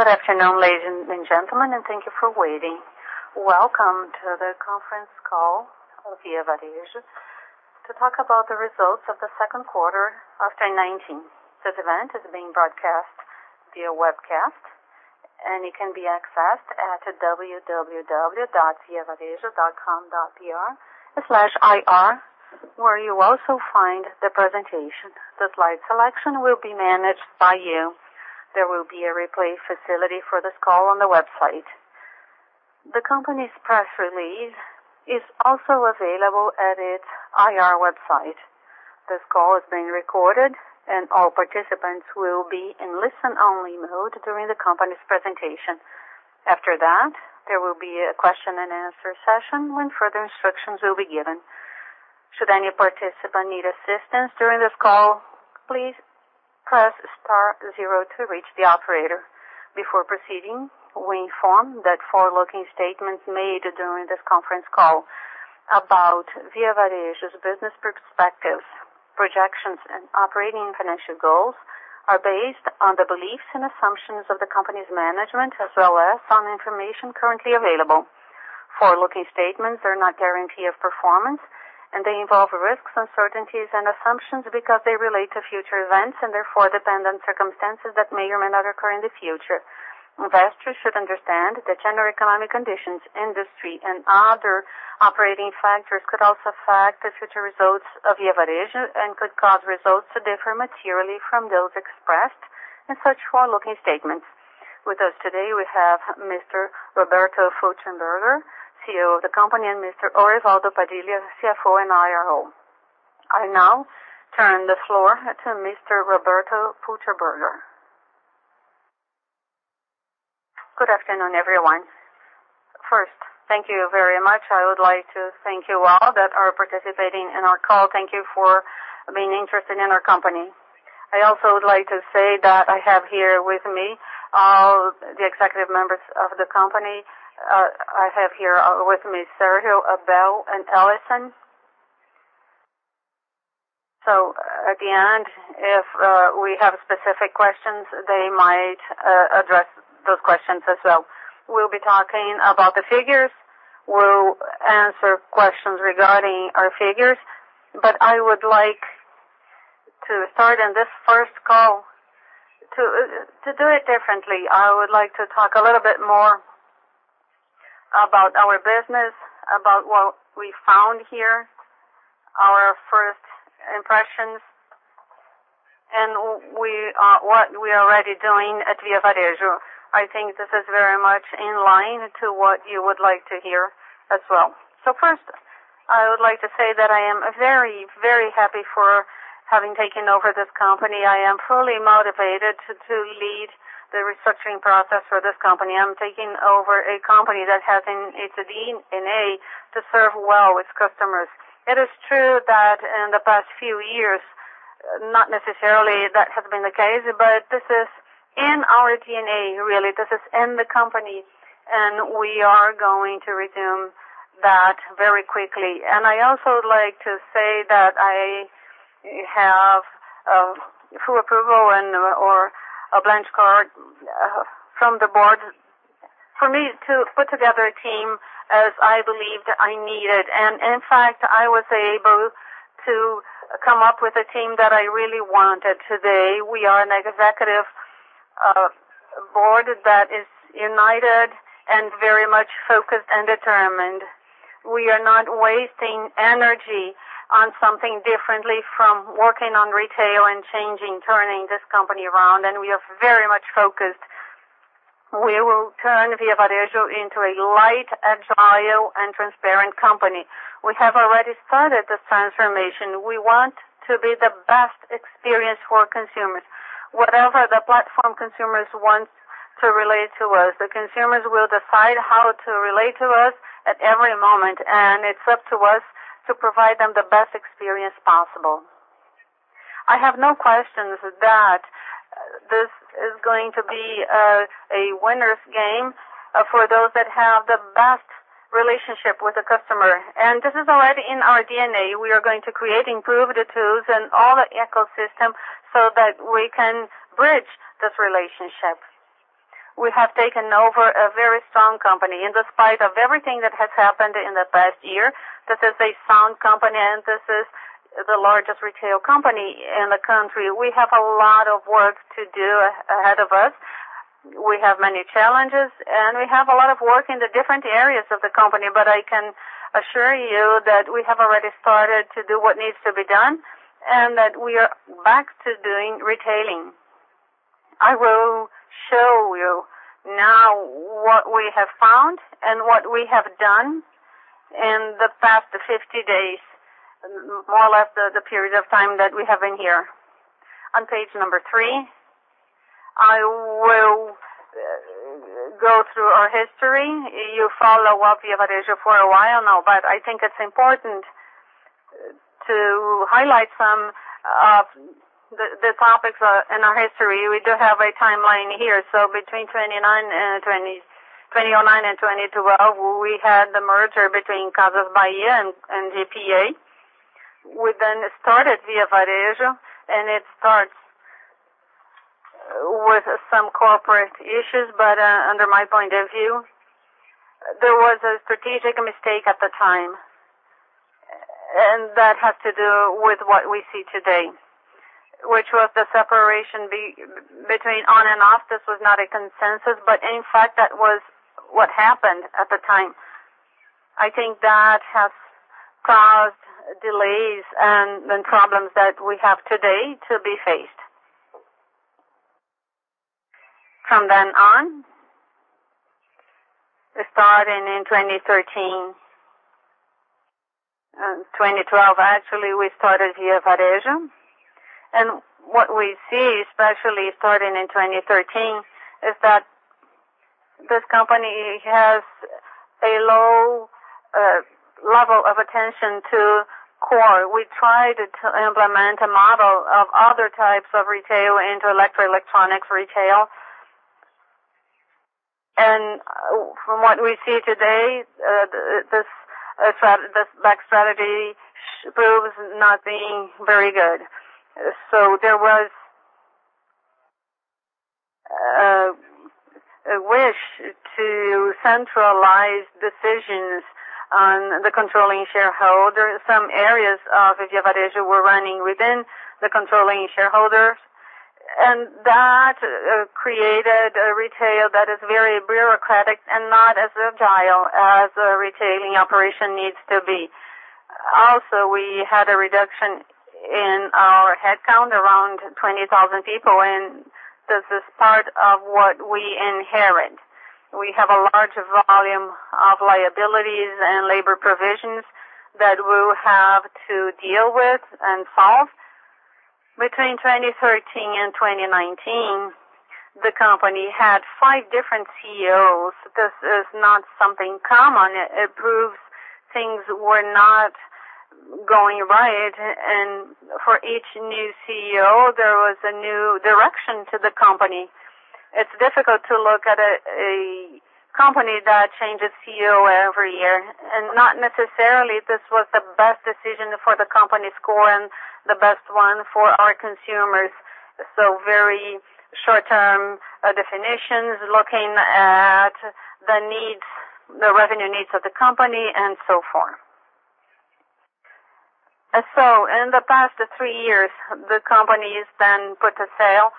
Good afternoon, ladies and gentlemen, and thank you for waiting. Welcome to the conference call of Via Varejo to talk about the results of the second quarter of 2019. This event is being broadcast via webcast, and it can be accessed at www.viavarejo.com.br/ir, where you'll also find the presentation. The slide selection will be managed by you. There will be a replay facility for this call on the website. The company's press release is also available at its IR website. This call is being recorded, and all participants will be in listen-only mode during the company's presentation. After that, there will be a question and answer session when further instructions will be given. Should any participant need assistance during this call, please press star zero to reach the operator. Before proceeding, we inform that forward-looking statements made during this conference call about Via Varejo's business perspectives, projections, and operating and financial goals are based on the beliefs and assumptions of the company's management, as well as on information currently available. Forward-looking statements are not guarantee of performance. They involve risks, uncertainties, and assumptions because they relate to future events and therefore depend on circumstances that may or may not occur in the future. Investors should understand that general economic conditions, industry, and other operating factors could also affect the future results of Via Varejo and could cause results to differ materially from those expressed in such forward-looking statements. With us today, we have Mr. Roberto Fulcherberguer, CEO of the company, and Mr. Orivaldo Padilha, CFO and IRO. I now turn the floor to Mr. Roberto Fulcherberguer. Good afternoon, everyone. First, thank you very much. I would like to thank you all that are participating in our call. Thank you for being interested in our company. I also would like to say that I have here with me all the executive members of the company. I have here with me Sérgio, Abel, and Alysson. At the end, if we have specific questions, they might address those questions as well. We'll be talking about the figures. We'll answer questions regarding our figures. I would like to start on this first call to do it differently. I would like to talk a little bit more about our business, about what we found here, our first impressions, and what we are already doing at Via Varejo. I think this is very much in line to what you would like to hear as well. First, I would like to say that I am very, very happy for having taken over this company. I am fully motivated to lead the restructuring process for this company. I'm taking over a company that has in its DNA to serve well its customers. It is true that in the past few years, not necessarily that has been the case, but this is in our DNA, really. This is in the company, we are going to resume that very quickly. I also would like to say that I have full approval or a blank card from the board for me to put together a team as I believed I needed. In fact, I was able to come up with a team that I really wanted. Today, we are an executive board that is united and very much focused and determined. We are not wasting energy on something differently from working on retail and changing, turning this company around, and we are very much focused. We will turn Via Varejo into a light, agile, and transparent company. We have already started this transformation. We want to be the best experience for consumers. Whatever the platform consumers want to relate to us, the consumers will decide how to relate to us at every moment, and it's up to us to provide them the best experience possible. I have no questions that this is going to be a winner's game for those that have the best relationship with the customer. This is already in our DNA. We are going to create and improve the tools and all the ecosystem so that we can bridge this relationship. We have taken over a very strong company. In despite of everything that has happened in the past year, this is a sound company, and this is the largest retail company in the country. We have a lot of work to do ahead of us. We have many challenges, and we have a lot of work in the different areas of the company. I can assure you that we have already started to do what needs to be done and that we are back to doing retailing. I will show you now what we have found and what we have done in the past 50 days, more or less the period of time that we have been here. On page number three, I will go through our history. You follow up Via Varejo for a while now, but I think it's important to highlight some of the topics in our history. We do have a timeline here. Between 2009 and 2012, we had the merger between Casas Bahia and GPA. We started Via Varejo, it starts with some corporate issues. Under my point of view, there was a strategic mistake at the time, and that has to do with what we see today, which was the separation between On and Off. This was not a consensus, in fact, that was what happened at the time. I think that has caused delays and problems that we have today to be faced. From then on, starting in 2013, 2012, actually, we started Via Varejo. What we see, especially starting in 2013, is that this company has a low level of attention to core. We tried to implement a model of other types of retail into electro-electronics retail. From what we see today, this strategy proves not being very good. There was a wish to centralize decisions on the controlling shareholder. Some areas of Via Varejo were running within the controlling shareholders, and that created a retail that is very bureaucratic and not as agile as a retailing operation needs to be. We had a reduction in our headcount, around 20,000 people, and this is part of what we inherit. We have a large volume of liabilities and labor provisions that we will have to deal with and solve. Between 2013 and 2019, the company had five different CEOs. This is not something common. It proves things were not going right, and for each new CEO, there was a new direction to the company. It's difficult to look at a company that changes CEO every year, and not necessarily this was the best decision for the company's core and the best one for our consumers. Very short-term definitions, looking at the revenue needs of the company and so forth. In the past three years, the company has then put to sale.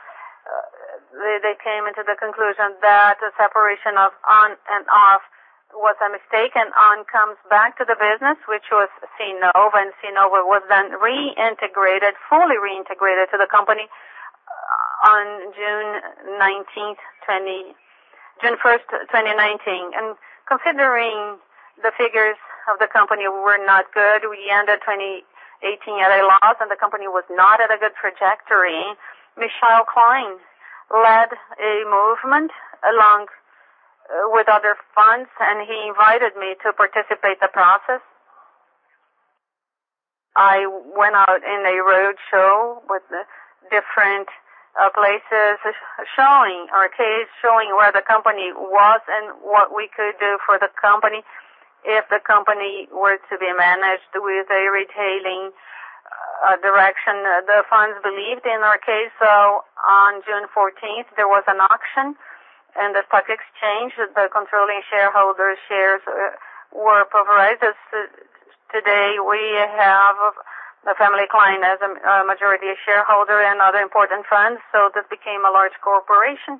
They came into the conclusion that the separation of On and Off was a mistake, and On comes back to the business, which was Cnova, and Cnova was then fully reintegrated to the company on June 1st, 2019. Considering the figures of the company were not good, we ended 2018 at a loss and the company was not at a good trajectory. Michel Klein led a movement along with other funds, and he invited me to participate the process. I went out in a road show with different places, showing our case, showing where the company was and what we could do for the company if the company were to be managed with a retailing direction. The funds believed in our case. On June 14th, there was an auction in the stock exchange. The controlling shareholder shares were provided. Today, we have the family Klein as a majority shareholder and other important funds. This became a large corporation.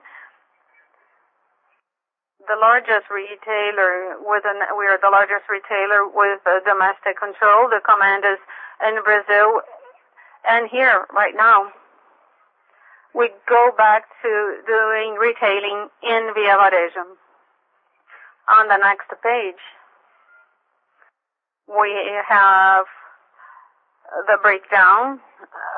We are the largest retailer with domestic control. The command is in Brazil. Here, right now, we go back to doing retailing in Via Varejo. On the next page, we have the breakdown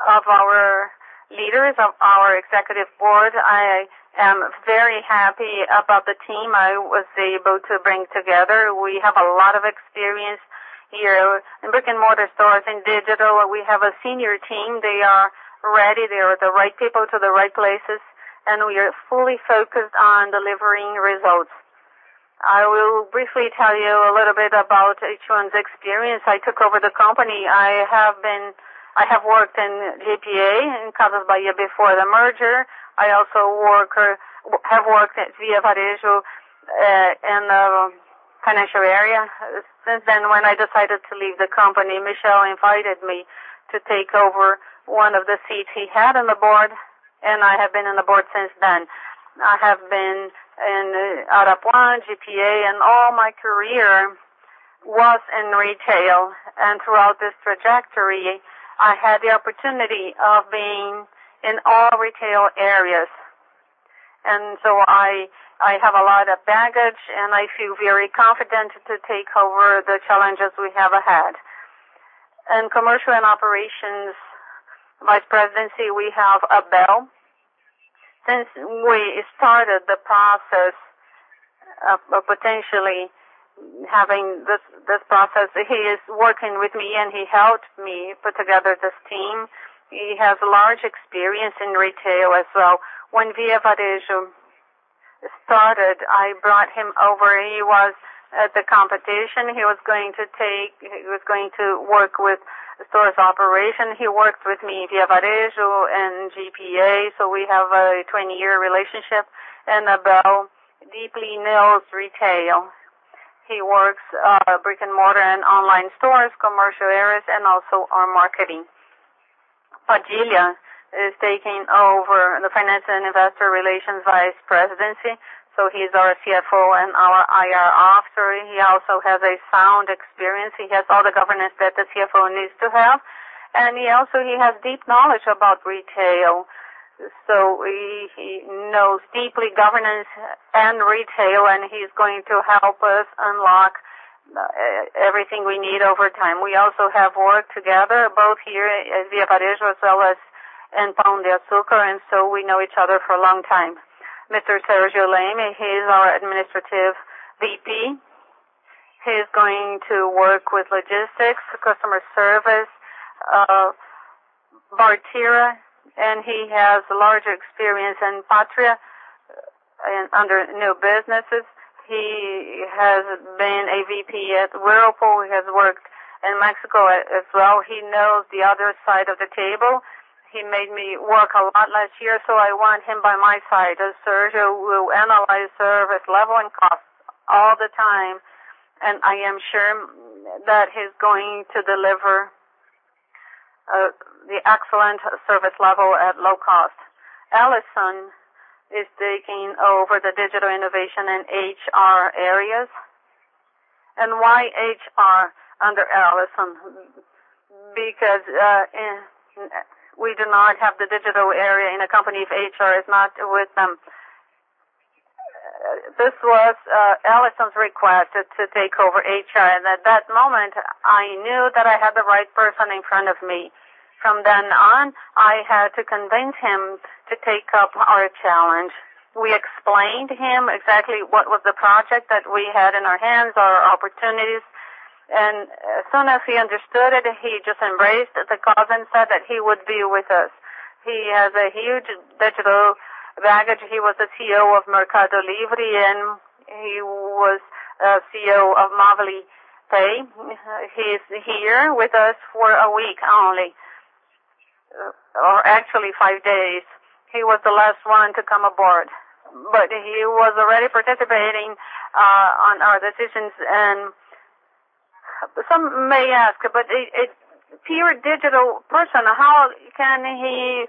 of our leaders, of our executive board. I am very happy about the team I was able to bring together. We have a lot of experience here in brick-and-mortar stores and digital. We have a senior team. They are ready. They are the right people to the right places, and we are fully focused on delivering results. I will briefly tell you a little bit about each one's experience. I took over the company. I have worked in GPA, in Casas Bahia before the merger. I also have worked at Via Varejo in the financial area. Since then, when I decided to leave the company, Michel invited me to take over one of the seats he had on the board. I have been on the board since then. I have been in Arapuã, GPA. All my career was in retail. Throughout this trajectory, I had the opportunity of being in all retail areas. I have a lot of baggage. I feel very confident to take over the challenges we have ahead. In commercial and operations vice presidency, we have Abel. Since we started the process of potentially having this process, he is working with me. He helped me put together this team. He has large experience in retail as well. When Via Varejo started, I brought him over. He was at the competition. He was going to work with stores operation. He worked with me Via Varejo and GPA, so we have a 20-year relationship, and Abel deeply knows retail. He works brick-and-mortar and online stores, commercial areas, and also on marketing. Padilha is taking over the finance and investor relations vice presidency. He's our CFO and our IR officer. He also has a sound experience. He has all the governance that the CFO needs to have. Also he has deep knowledge about retail. He knows deeply governance and retail, and he's going to help us unlock everything we need over time. We also have worked together both here at Via Varejo as well as in Pão de Açúcar, and so we know each other for a long time. Mr. Sérgio Leme, he is our administrative VP. He's going to work with logistics, customer service, Bartira, and he has large experience in Pátria under new businesses. He has been a VP at Whirlpool. He has worked in Mexico as well. He knows the other side of the table. He made me work a lot last year, so I want him by my side, as Sérgio will analyze service level and cost all the time. I am sure that he's going to deliver the excellent service level at low cost. Alysson is taking over the digital innovation and HR areas. Why HR under Alysson? Because we do not have the digital area in a company if HR is not with them. This was Alysson's request to take over HR. At that moment, I knew that I had the right person in front of me. From then on, I had to convince him to take up our challenge. We explained to him exactly what was the project that we had in our hands, our opportunities, and as soon as he understood it, he just embraced the cause and said that he would be with us. He has a huge digital baggage. He was the CEO of Mercado Livre, and he was CEO of Movile Pay. He's here with us for a week only, or actually five days. He was the last one to come aboard. He was already participating on our decisions. Some may ask, but a pure digital person, how can he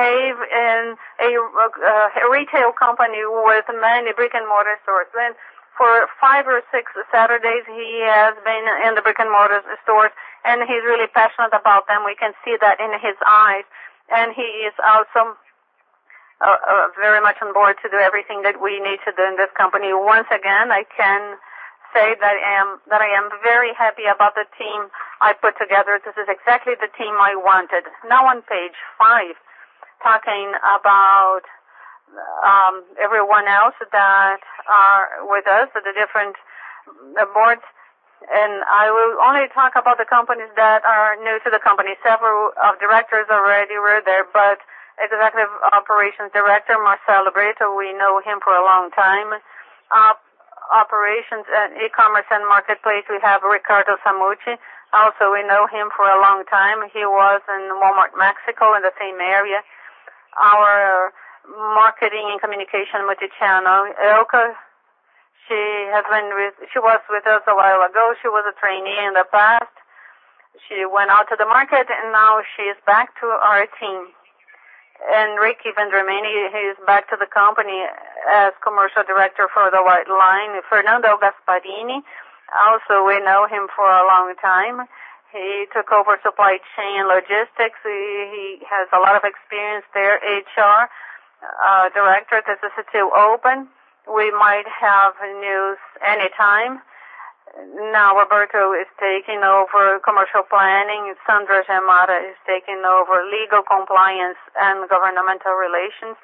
behave in a retail company with many brick-and-mortar stores? For five or six Saturdays, he has been in the brick-and-mortar stores, and he's really passionate about them. We can see that in his eyes. He is also very much on board to do everything that we need to do in this company. Once again, I can say that I am very happy about the team I put together. This is exactly the team I wanted. On page five, talking about everyone else that are with us at the different boards. I will only talk about the companies that are new to the company. Several of directors already were there, Executive Operations Director, Marcelo Brito, we know him for a long time. Operations and e-commerce and marketplace, we have Ricardo Saliture. Also, we know him for a long time. He was in Walmart Mexico in the same area. Our marketing and communication with the channel, Ilca. She was with us a while ago. She was a trainee in the past. She went out to the market, now she's back to our team. Henrique Vendramin, he's back to the company as Commercial Director for the white line. Fernando Gasparini, also, we know him for a long time. He took over supply chain logistics. He has a lot of experience there. HR Director, this is still open. We might have news any time. Roberto is taking over Commercial Planning. Sandra Giamatei is taking over Legal Compliance and Governmental Relations.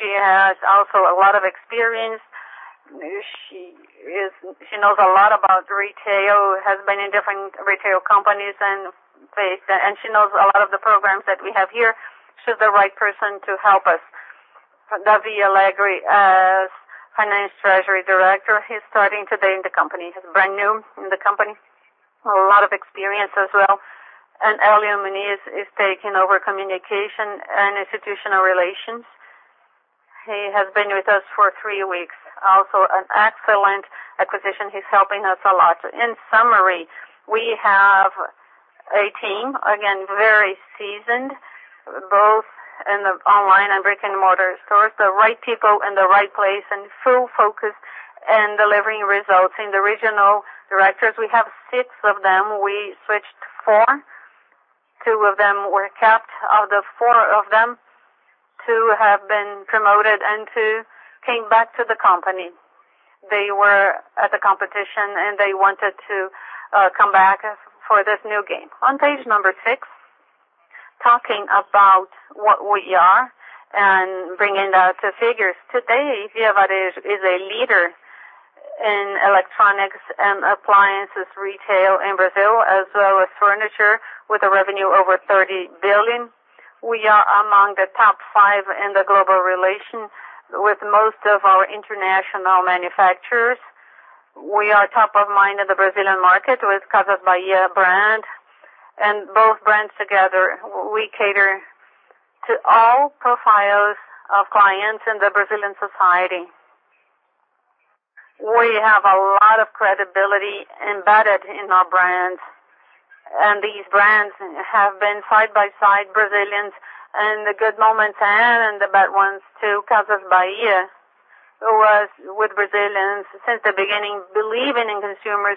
She has also a lot of experience. She knows a lot about retail, has been in different retail companies, and she knows a lot of the programs that we have here. She's the right person to help us. David Alegria as Finance Treasury Director. He's starting today in the company. He's brand new in the company. A lot of experience as well. Helio Muniz is taking over communication and institutional relations. He has been with us for 3 weeks. Also an excellent acquisition. He is helping us a lot. In summary, we have a team, again, very seasoned, both in the online and brick-and-mortar stores. The right people in the right place and full focus in delivering results. In the regional directors, we have 6 of them. We switched 4. 2 of them were kept. Of the 4 of them, 2 have been promoted and 2 came back to the company. They were at the competition, and they wanted to come back for this new game. On page 6, talking about what we are and bringing the 2 figures. Today, Grupo Casas Bahia is a leader in electronics and appliances retail in Brazil, as well as furniture with a revenue over 30 billion. We are among the top five in the global relation with most of our international manufacturers. We are top of mind in the Brazilian market with Casas Bahia brand, and both brands together, we cater to all profiles of clients in the Brazilian society. We have a lot of credibility embedded in our brands. These brands have been side by side, Brazilians, in the good moments and in the bad ones too. Casas Bahia was with Brazilians since the beginning, believing in consumers,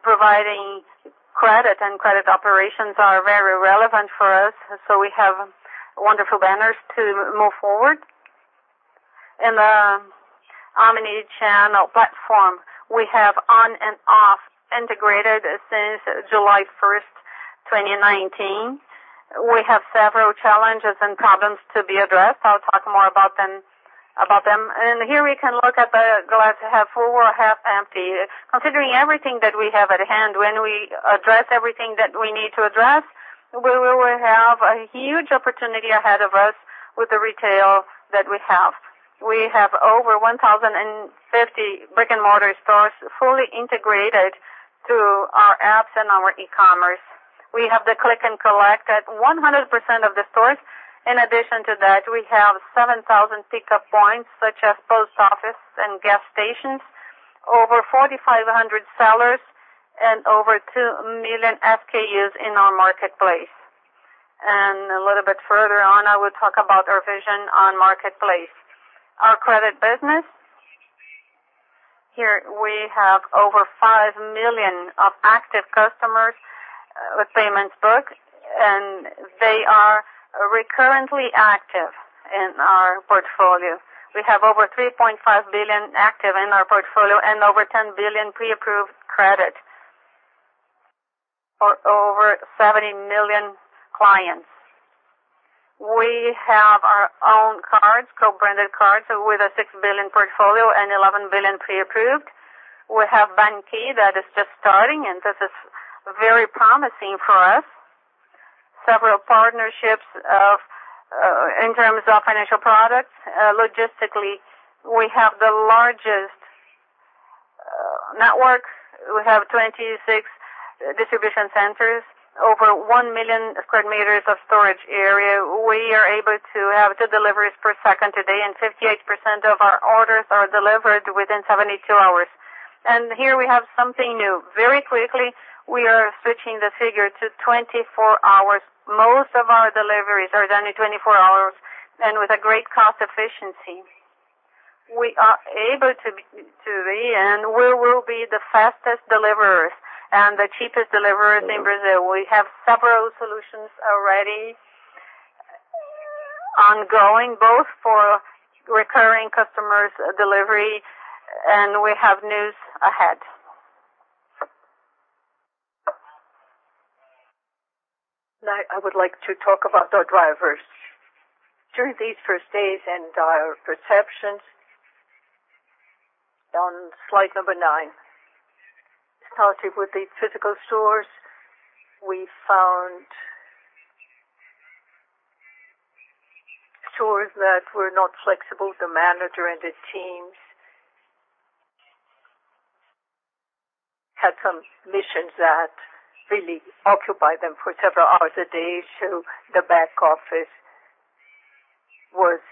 providing credit, and credit operations are very relevant for us. We have wonderful banners to move forward. In the omnichannel platform, we have on and off integrated since July 1st, 2019. We have several challenges and problems to be addressed. I'll talk more about them. Here we can look at the glass half full or half empty. Considering everything that we have at hand, when we address everything that we need to address, we will have a huge opportunity ahead of us with the retail that we have. We have over 1,050 brick-and-mortar stores fully integrated to our apps and our e-commerce. We have the click and collect at 100% of the stores. In addition to that, we have 7,000 pickup points, such as post office and gas stations, over 4,500 sellers, and over 2 million SKUs in our marketplace. A little bit further on, I will talk about our vision on marketplace. Our credit business. Here we have over 5 million of active customers with payments booked, and they are recurrently active in our portfolio. We have over 3.5 billion active in our portfolio and over 10 billion pre-approved credit for over 70 million clients. We have our own cards, co-branded cards, with a 6 billion portfolio and 11 billion pre-approved. We have BanQi that is just starting, and this is very promising for us. Several partnerships in terms of financial products. Logistically, we have the largest network. We have 26 distribution centers, over 1 million sq m of storage area. We are able to have two deliveries per second today, and 58% of our orders are delivered within 72 hours. Here we have something new. Very quickly, we are switching the figure to 24 hours. Most of our deliveries are done in 24 hours and with a great cost efficiency. We are able to be, and we will be the fastest deliverers and the cheapest deliverers in Brazil. We have several solutions already ongoing, both for recurring customers delivery, and we have news ahead. Now I would like to talk about our drivers. During these first days and our perceptions on slide number 9. Starting with the physical stores, we found stores that were not flexible. The manager and the teams had some missions that really occupy them for several hours a day. The back office was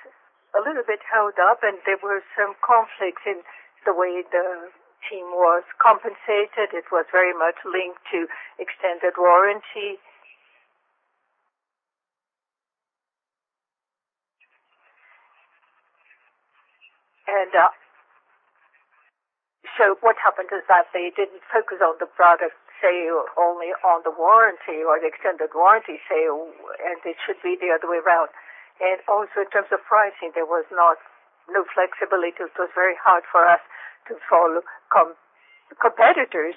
a little bit held up, and there were some conflicts in the way the team was compensated. It was very much linked to extended warranty. What happened is that they didn't focus on the product sale, only on the warranty or the extended warranty sale, and it should be the other way around. Also in terms of pricing, there was no flexibility. It was very hard for us to follow competitors.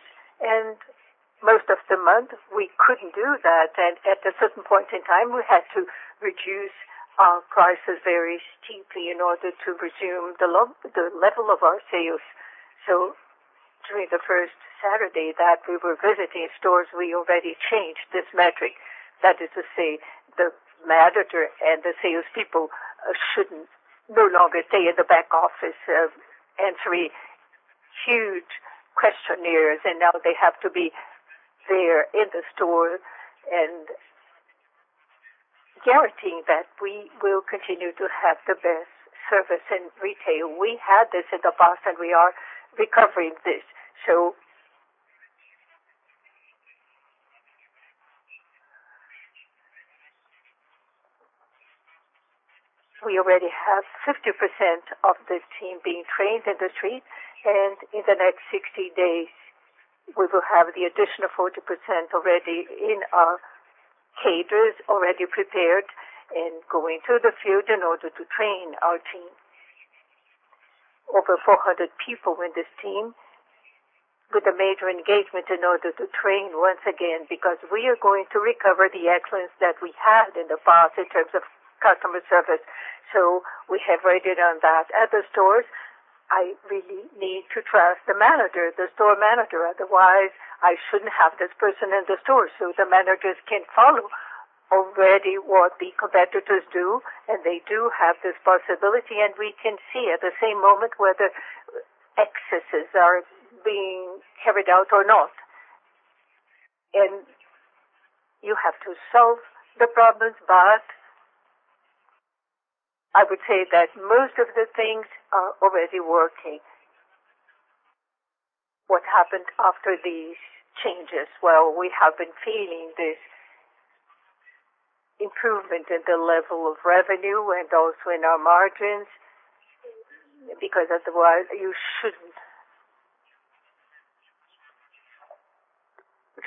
Most of the month, we couldn't do that. At a certain point in time, we had to reduce our prices very steeply in order to resume the level of our sales. During the first Saturday that we were visiting stores, we already changed this metric. That is to say, the manager and the salespeople should no longer stay in the back office answering huge questionnaires. Now they have to be there in the store and guaranteeing that we will continue to have the best service in retail. We had this in the past, and we are recovering this. We already have 50% of the team being trained in the street, and in the next 60 days, we will have the additional 40% already in our cadres, already prepared and going to the field in order to train our team. Over 400 people in this team. With a major engagement in order to train once again, because we are going to recover the excellence that we had in the past in terms of customer service. We have rated on that. At the stores, I really need to trust the manager, the store manager, otherwise, I shouldn't have this person in the store. The managers can follow already what the competitors do, and they do have this possibility, and we can see at the same moment whether excesses are being carried out or not. You have to solve the problems, but I would say that most of the things are already working. What happened after these changes? Well, we have been feeling this improvement in the level of revenue and also in our margins. Otherwise, you shouldn't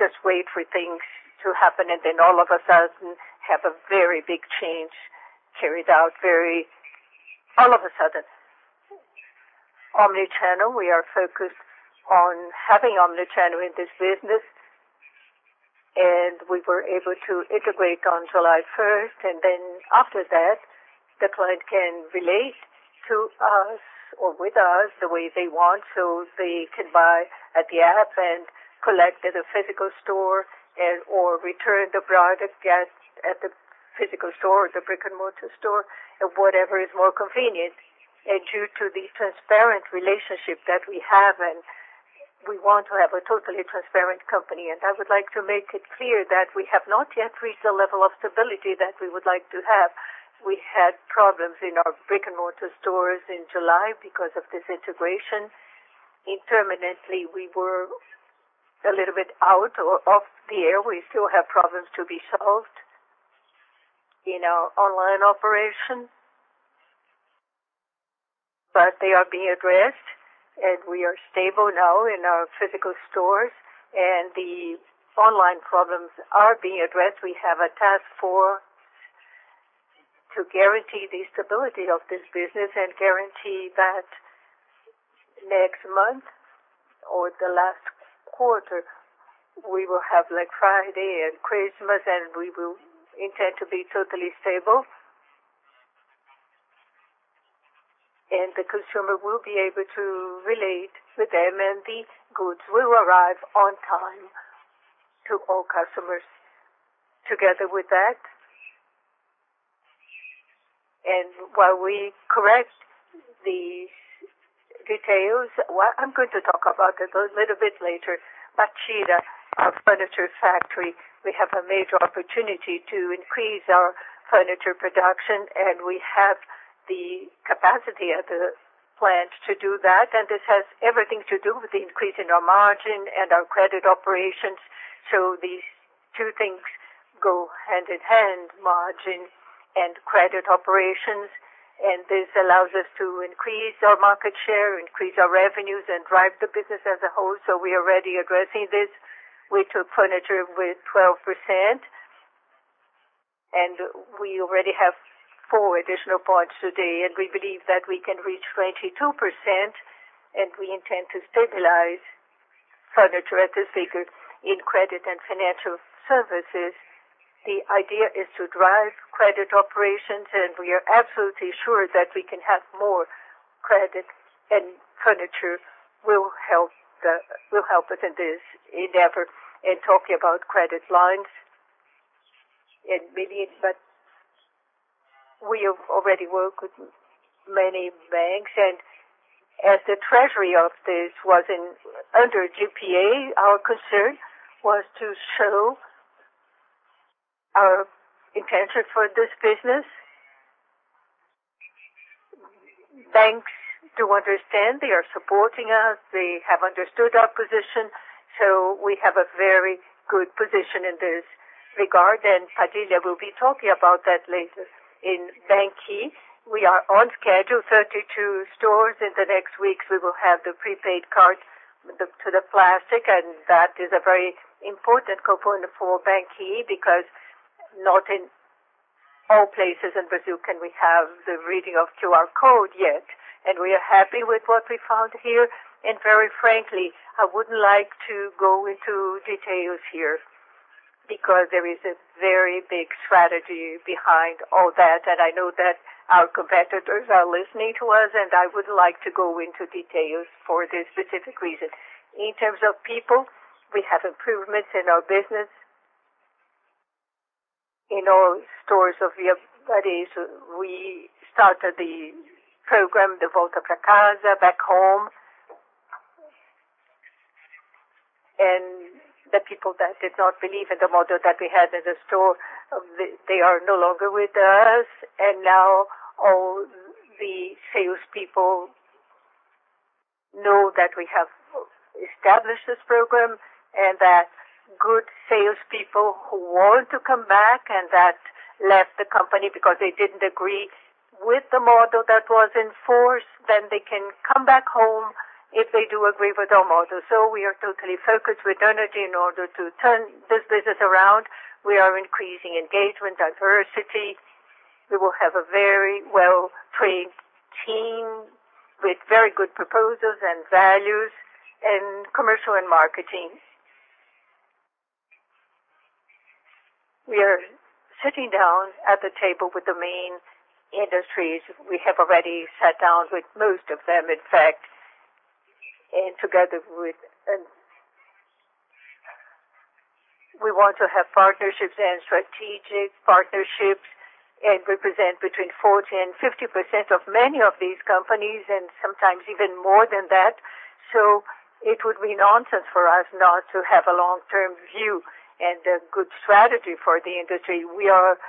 just wait for things to happen and then all of a sudden have a very big change carried out very all of a sudden. Omnichannel, we are focused on having omnichannel in this business. We were able to integrate on July 1st. After that, the client can relate to us or with us the way they want. They can buy at the app and collect at a physical store and/or return the product at the physical store or the brick-and-mortar store, whatever is more convenient. Due to the transparent relationship that we have, we want to have a totally transparent company. I would like to make it clear that we have not yet reached the level of stability that we would like to have. We had problems in our brick-and-mortar stores in July because of this integration. Intermittently, we were a little bit out or off the air. We still have problems to be solved in our online operation. They are being addressed, and we are stable now in our physical stores, and the online problems are being addressed. We have a task to guarantee the stability of this business and guarantee that next month or the last quarter, we will have Black Friday and Christmas, and we will intend to be totally stable. The consumer will be able to relate with them, and the goods will arrive on time to all customers. Together with that, and while we correct the details, what I'm going to talk about a little bit later, Bartira, our furniture factory. We have a major opportunity to increase our furniture production, and we have the capacity at the plant to do that. This has everything to do with the increase in our margin and our credit operations. These two things go hand in hand, margin and credit operations. This allows us to increase our market share, increase our revenues, and drive the business as a whole. We are already addressing this. We took furniture with 12%, and we already have four additional points today, and we believe that we can reach 22%, and we intend to stabilize furniture at this figure. In credit and financial services, the idea is to drive credit operations, and we are absolutely sure that we can have more credit, and furniture will help us in this endeavor. Talking about credit lines and billions, but we have already worked with many banks. As the treasury of this was under GPA, our concern was to show our intention for this business. Banks do understand. They are supporting us. They have understood our position. We have a very good position in this regard, and Padilha will be talking about that later. In BanQi, we are on schedule, 32 stores. In the next weeks, we will have the prepaid card to the plastic, and that is a very important component for BanQi because not in all places in Brazil can we have the reading of QR code yet. We are happy with what we found here. Very frankly, I wouldn't like to go into details here because there is a very big strategy behind all that. I know that our competitors are listening to us, and I wouldn't like to go into details for this specific reason. In terms of people, we have improvements in our business. In all stores, we started the program, the Volta pra Casa, back home. The people that did not believe in the model that we had in the store, they are no longer with us. Now all the salespeople know that we have established this program and that good salespeople who want to come back and that left the company because they didn't agree with the model that was enforced, they can come back home if they do agree with our model. We are totally focused with energy in order to turn this business around. We are increasing engagement, diversity. We will have a very well-trained team with very good proposals and values in commercial and marketing. We are sitting down at the table with the main industries. We have already sat down with most of them, in fact, and together with We want to have partnerships and strategic partnerships and represent between 40% and 50% of many of these companies, and sometimes even more than that. It would be nonsense for us not to have a long-term view and a good strategy for the industry. We are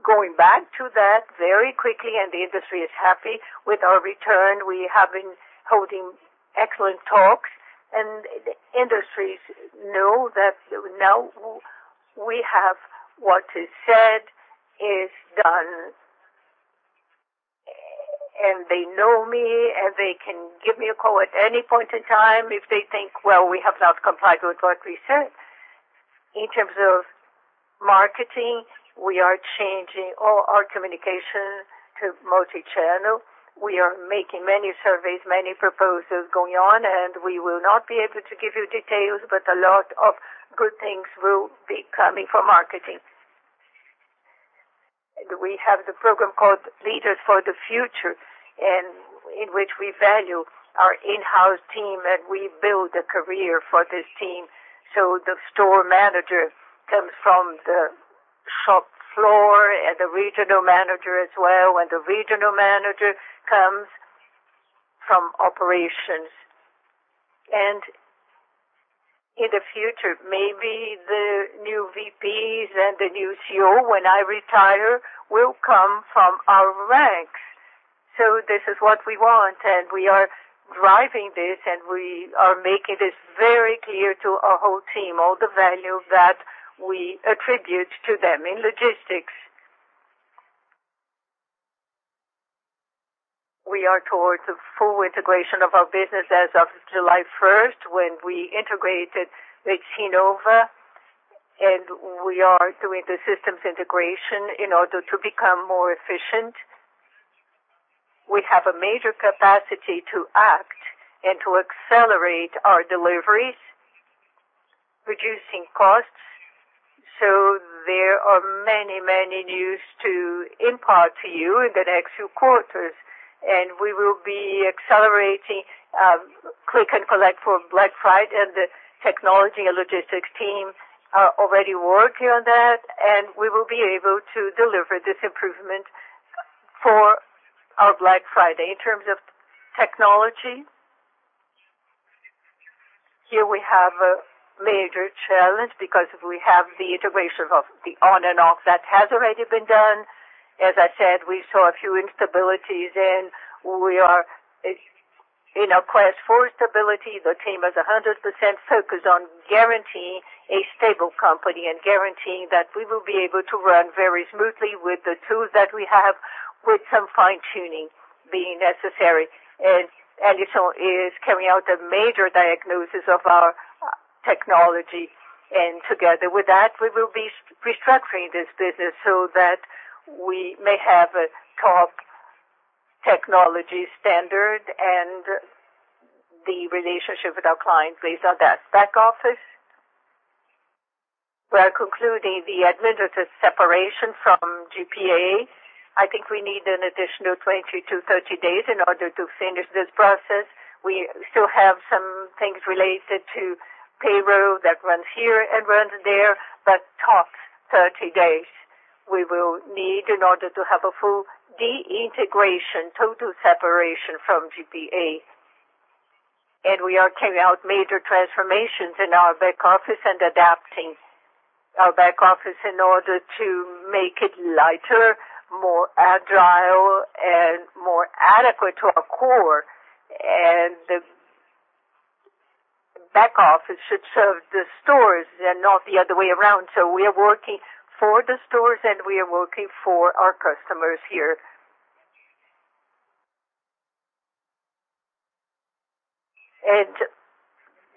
going back to that very quickly, and the industry is happy with our return. We have been holding excellent talks, and the industries know that now we have what is said, is done. They know me, and they can give me a call at any point in time if they think, well, we have not complied with what we said. In terms of marketing, we are changing all our communication to multichannel. We are making many surveys, many proposals going on, and we will not be able to give you details, but a lot of good things will be coming for marketing. We have the program called Leaders for the Future, in which we value our in-house team, and we build a career for this team. The store manager comes from the shop floor and the regional manager as well, and the regional manager comes from operations. In the future, maybe the new VPs and the new CEO when I retire will come from our ranks. This is what we want, and we are driving this, and we are making this very clear to our whole team, all the value that we attribute to them. In logistics, we are towards the full integration of our business as of July 1st, when we integrated with Cnova, and we are doing the systems integration in order to become more efficient. We have a major capacity to act and to accelerate our deliveries, reducing costs. There are many news to impart to you in the next few quarters, and we will be accelerating click and collect for Black Friday, and the technology and logistics team are already working on that, and we will be able to deliver this improvement for our Black Friday. In terms of technology, here we have a major challenge because we have the integration of the On and Off that has already been done. As I said, we saw a few instabilities, and we are in a quest for stability. The team is 100% focused on guaranteeing a stable company and guaranteeing that we will be able to run very smoothly with the tools that we have, with some fine-tuning being necessary. Alysson is carrying out a major diagnosis of our technology, and together with that, we will be restructuring this business so that we may have a top technology standard and the relationship with our clients based on that. Back office, we are concluding the administrative separation from GPA. I think we need an additional 20-30 days in order to finish this process. We still have some things related to payroll that runs here and runs there, but top 30 days we will need in order to have a full de-integration, total separation from GPA. We are carrying out major transformations in our back office and adapting our back office in order to make it lighter, more agile, and more adequate to our core. The back office should serve the stores and not the other way around. We are working for the stores, and we are working for our customers here.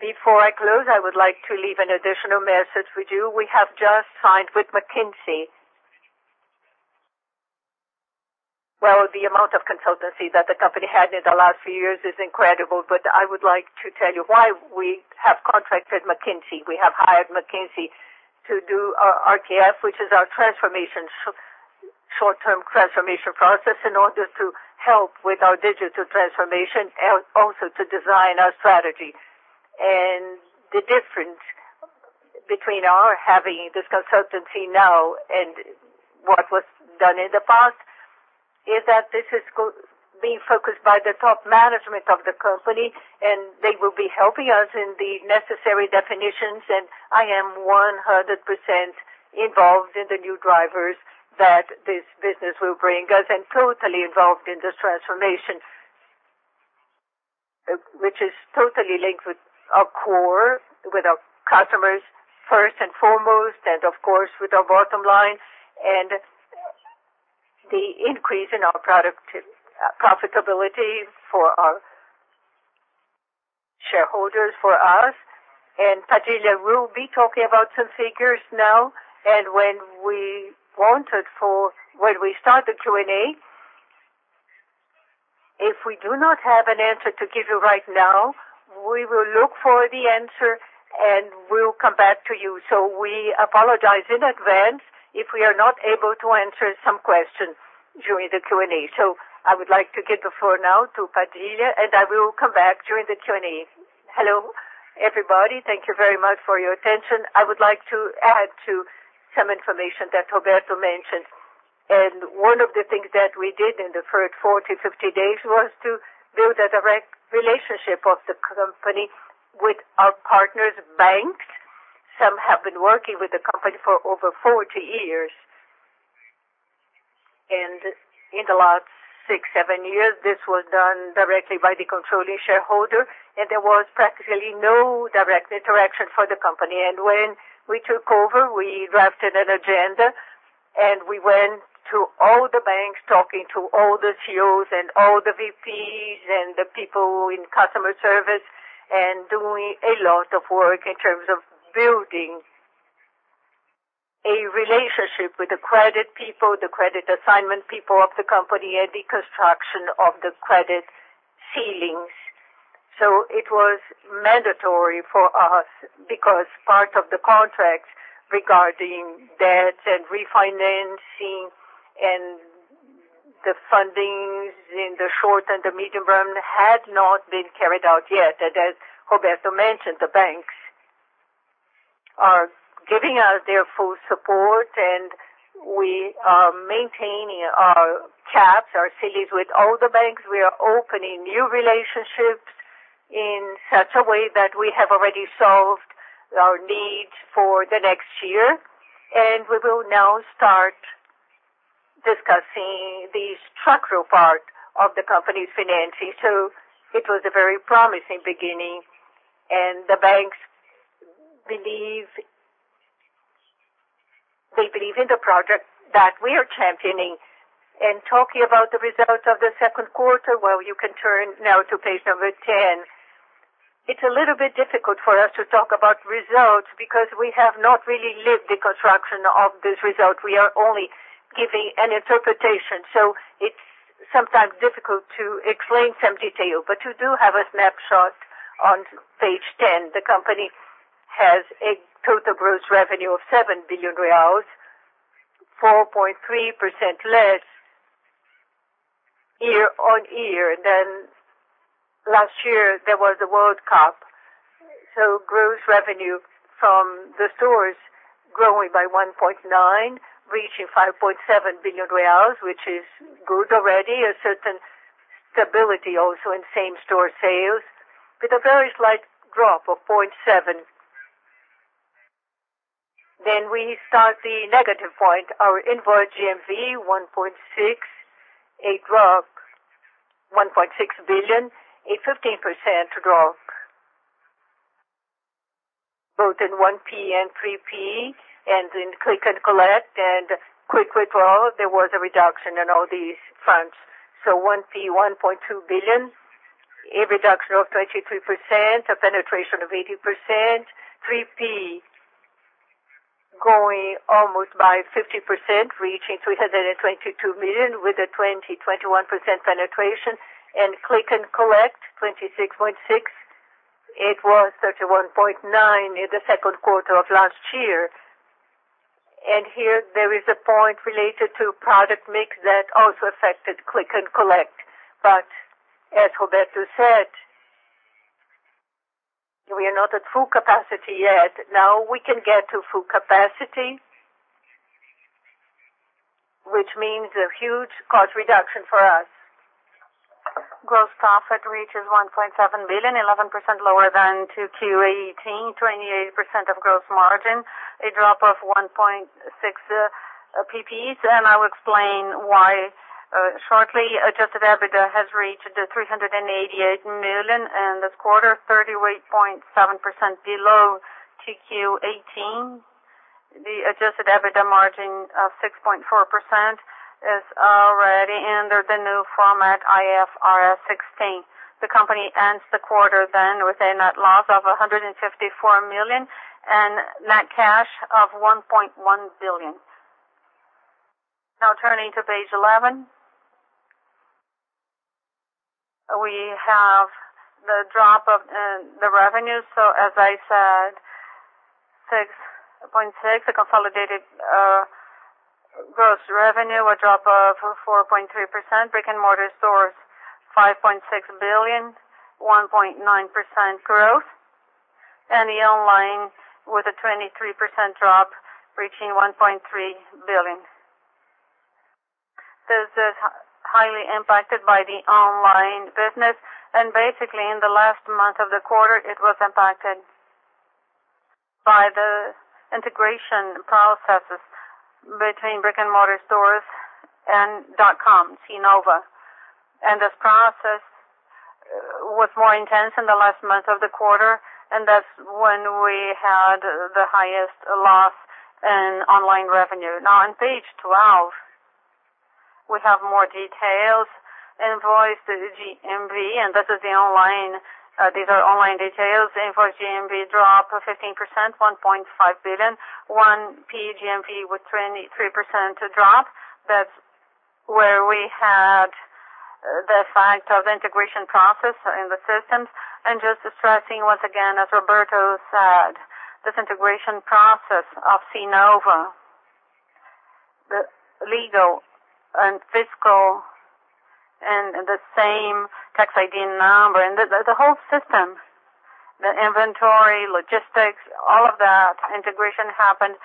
Before I close, I would like to leave an additional message with you. We have just signed with McKinsey. Well, the amount of consultancy that the company had in the last few years is incredible, but I would like to tell you why we have contracted McKinsey. We have hired McKinsey to do our RTF, which is our short-term transformation process, in order to help with our digital transformation and also to design our strategy. The difference between our having this consultancy now and what was done in the past is that this is being focused by the top management of the company, and they will be helping us in the necessary definitions. I am 100% involved in the new drivers that this business will bring us and totally involved in this transformation, which is totally linked with our core, with our customers first and foremost, and of course, with our bottom line and the increase in our profitability for our shareholders for us. Padilha will be talking about some figures now. When we start the Q&A, if we do not have an answer to give you right now, we will look for the answer and we'll come back to you. We apologize in advance if we are not able to answer some questions during the Q&A. I would like to give the floor now to Padilha, and I will come back during the Q&A. Hello, everybody. Thank you very much for your attention. I would like to add to some information that Roberto mentioned. One of the things that we did in the first 40, 50 days was to build a direct relationship of the company with our partner banks. Some have been working with the company for over 40 years. In the last six, seven years, this was done directly by the controlling shareholder, and there was practically no direct interaction for the company. When we took over, we drafted an agenda and we went to all the banks, talking to all the CEOs and all the VPs and the people in customer service, and doing a lot of work in terms of building a relationship with the credit people, the credit assignment people of the company, and the construction of the credit ceilings. It was mandatory for us because part of the contracts regarding debts and refinancing and the fundings in the short and the medium term had not been carried out yet. As Roberto mentioned, the banks are giving us their full support, and we are maintaining our caps, our ceilings with all the banks. We are opening new relationships in such a way that we have already solved our needs for the next year. We will now start discussing the structural part of the company's financing. It was a very promising beginning. The banks, they believe in the project that we are championing. Talking about the results of the second quarter, you can turn now to page 10. It's a little bit difficult for us to talk about results because we have not really lived the construction of this result. We are only giving an interpretation. It's sometimes difficult to explain some detail. You do have a snapshot on page 10. The company has a total gross revenue of 7 billion reais, 4.3% less year-over-year. Last year, there was the World Cup. Gross revenue from the stores growing by 1.9%, reaching 5.7 billion reais, which is good already. A certain stability also in same-store sales with a very slight drop of 0.7%. We start the negative point. Our invoice GMV, 1.6%, a drop. 1.6 billion, a 15% drop. Both in 1P and 3P, and in click and collect and Retira Rápido, there was a reduction in all these fronts. 1P, 1.2 billion, a reduction of 23%, a penetration of 80%. 3P going almost by 50%, reaching 322 million, with a 20%-21% penetration. Click and collect, 26.6. It was 31.9 in the second quarter of last year. Here, there is a point related to product mix that also affected click and collect. As Roberto said, we are not at full capacity yet. Now we can get to full capacity, which means a huge cost reduction for us. Gross profit reaches 1.7 billion, 11% lower than 2Q 2018, 28% of gross margin, a drop of 1.6 PPs. I'll explain why shortly. Adjusted EBITDA has reached 388 million in this quarter, 38.7% below 2Q 2018. The adjusted EBITDA margin of 6.4% is already under the new format, IFRS 16. The company ends the quarter with a net loss of 154 million and net cash of 1.1 billion. Turning to page 11. We have the drop of the revenue. As I said, 6.6 billion, the consolidated gross revenue, a drop of 4.3%. Brick-and-mortar stores, 5.6 billion, 1.9% growth. The online with a 23% drop, reaching 1.3 billion. This is highly impacted by the online business. Basically in the last month of the quarter, it was impacted by the integration processes between brick-and-mortar stores and .com, Cnova. This process was more intense in the last month of the quarter, that's when we had the highest loss in online revenue. On page 12. We have more details. Invoice, the GMV, and these are online details. Invoice GMV dropped 15%, BRL 1.5 billion. 1P GMV with 23% drop. That's where we had the fact of integration process in the systems. Just stressing once again, as Roberto said, this integration process of Cnova, the legal and fiscal and the same tax ID number and the whole system, the inventory, logistics, all of that integration happened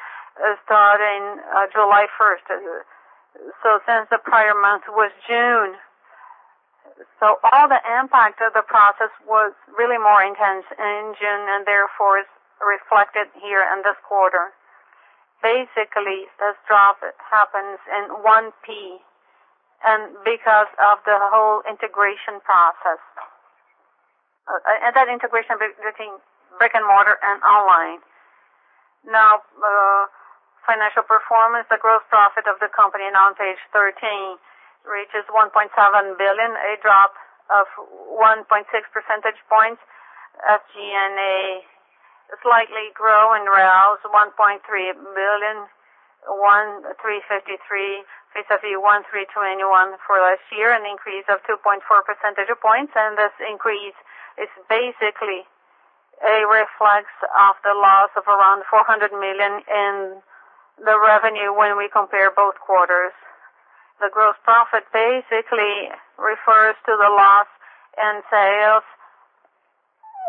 starting July 1st. Since the prior month was June. All the impact of the process was really more intense in June, and therefore is reflected here in this quarter. Basically, this drop happens in 1P because of the whole integration process and that integration between brick and mortar and online. Now, financial performance. The gross profit of the company on page 13 reaches 1.7 billion, a drop of 1.6 percentage points. SG&A slightly grow in 1.3 billion, 1,353, vis-a-vis 1,321 for last year, an increase of 2.4 percentage points. This increase is basically a reflex of the loss of around 400 million in the revenue when we compare both quarters. The gross profit basically refers to the loss in sales,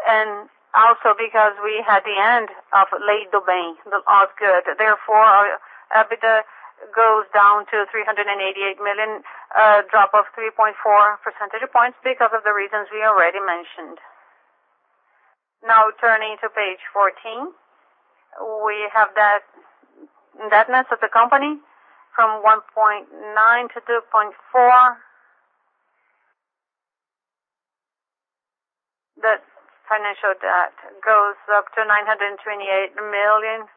and also because we had the end of Lei do Bem, the Osgood. Therefore, EBITDA goes down to 388 million, a drop of 3.4 percentage points because of the reasons we already mentioned. Now turning to page 14. We have the indebtedness of the company from 1.9 to 2.4. The financial debt goes up to 928 million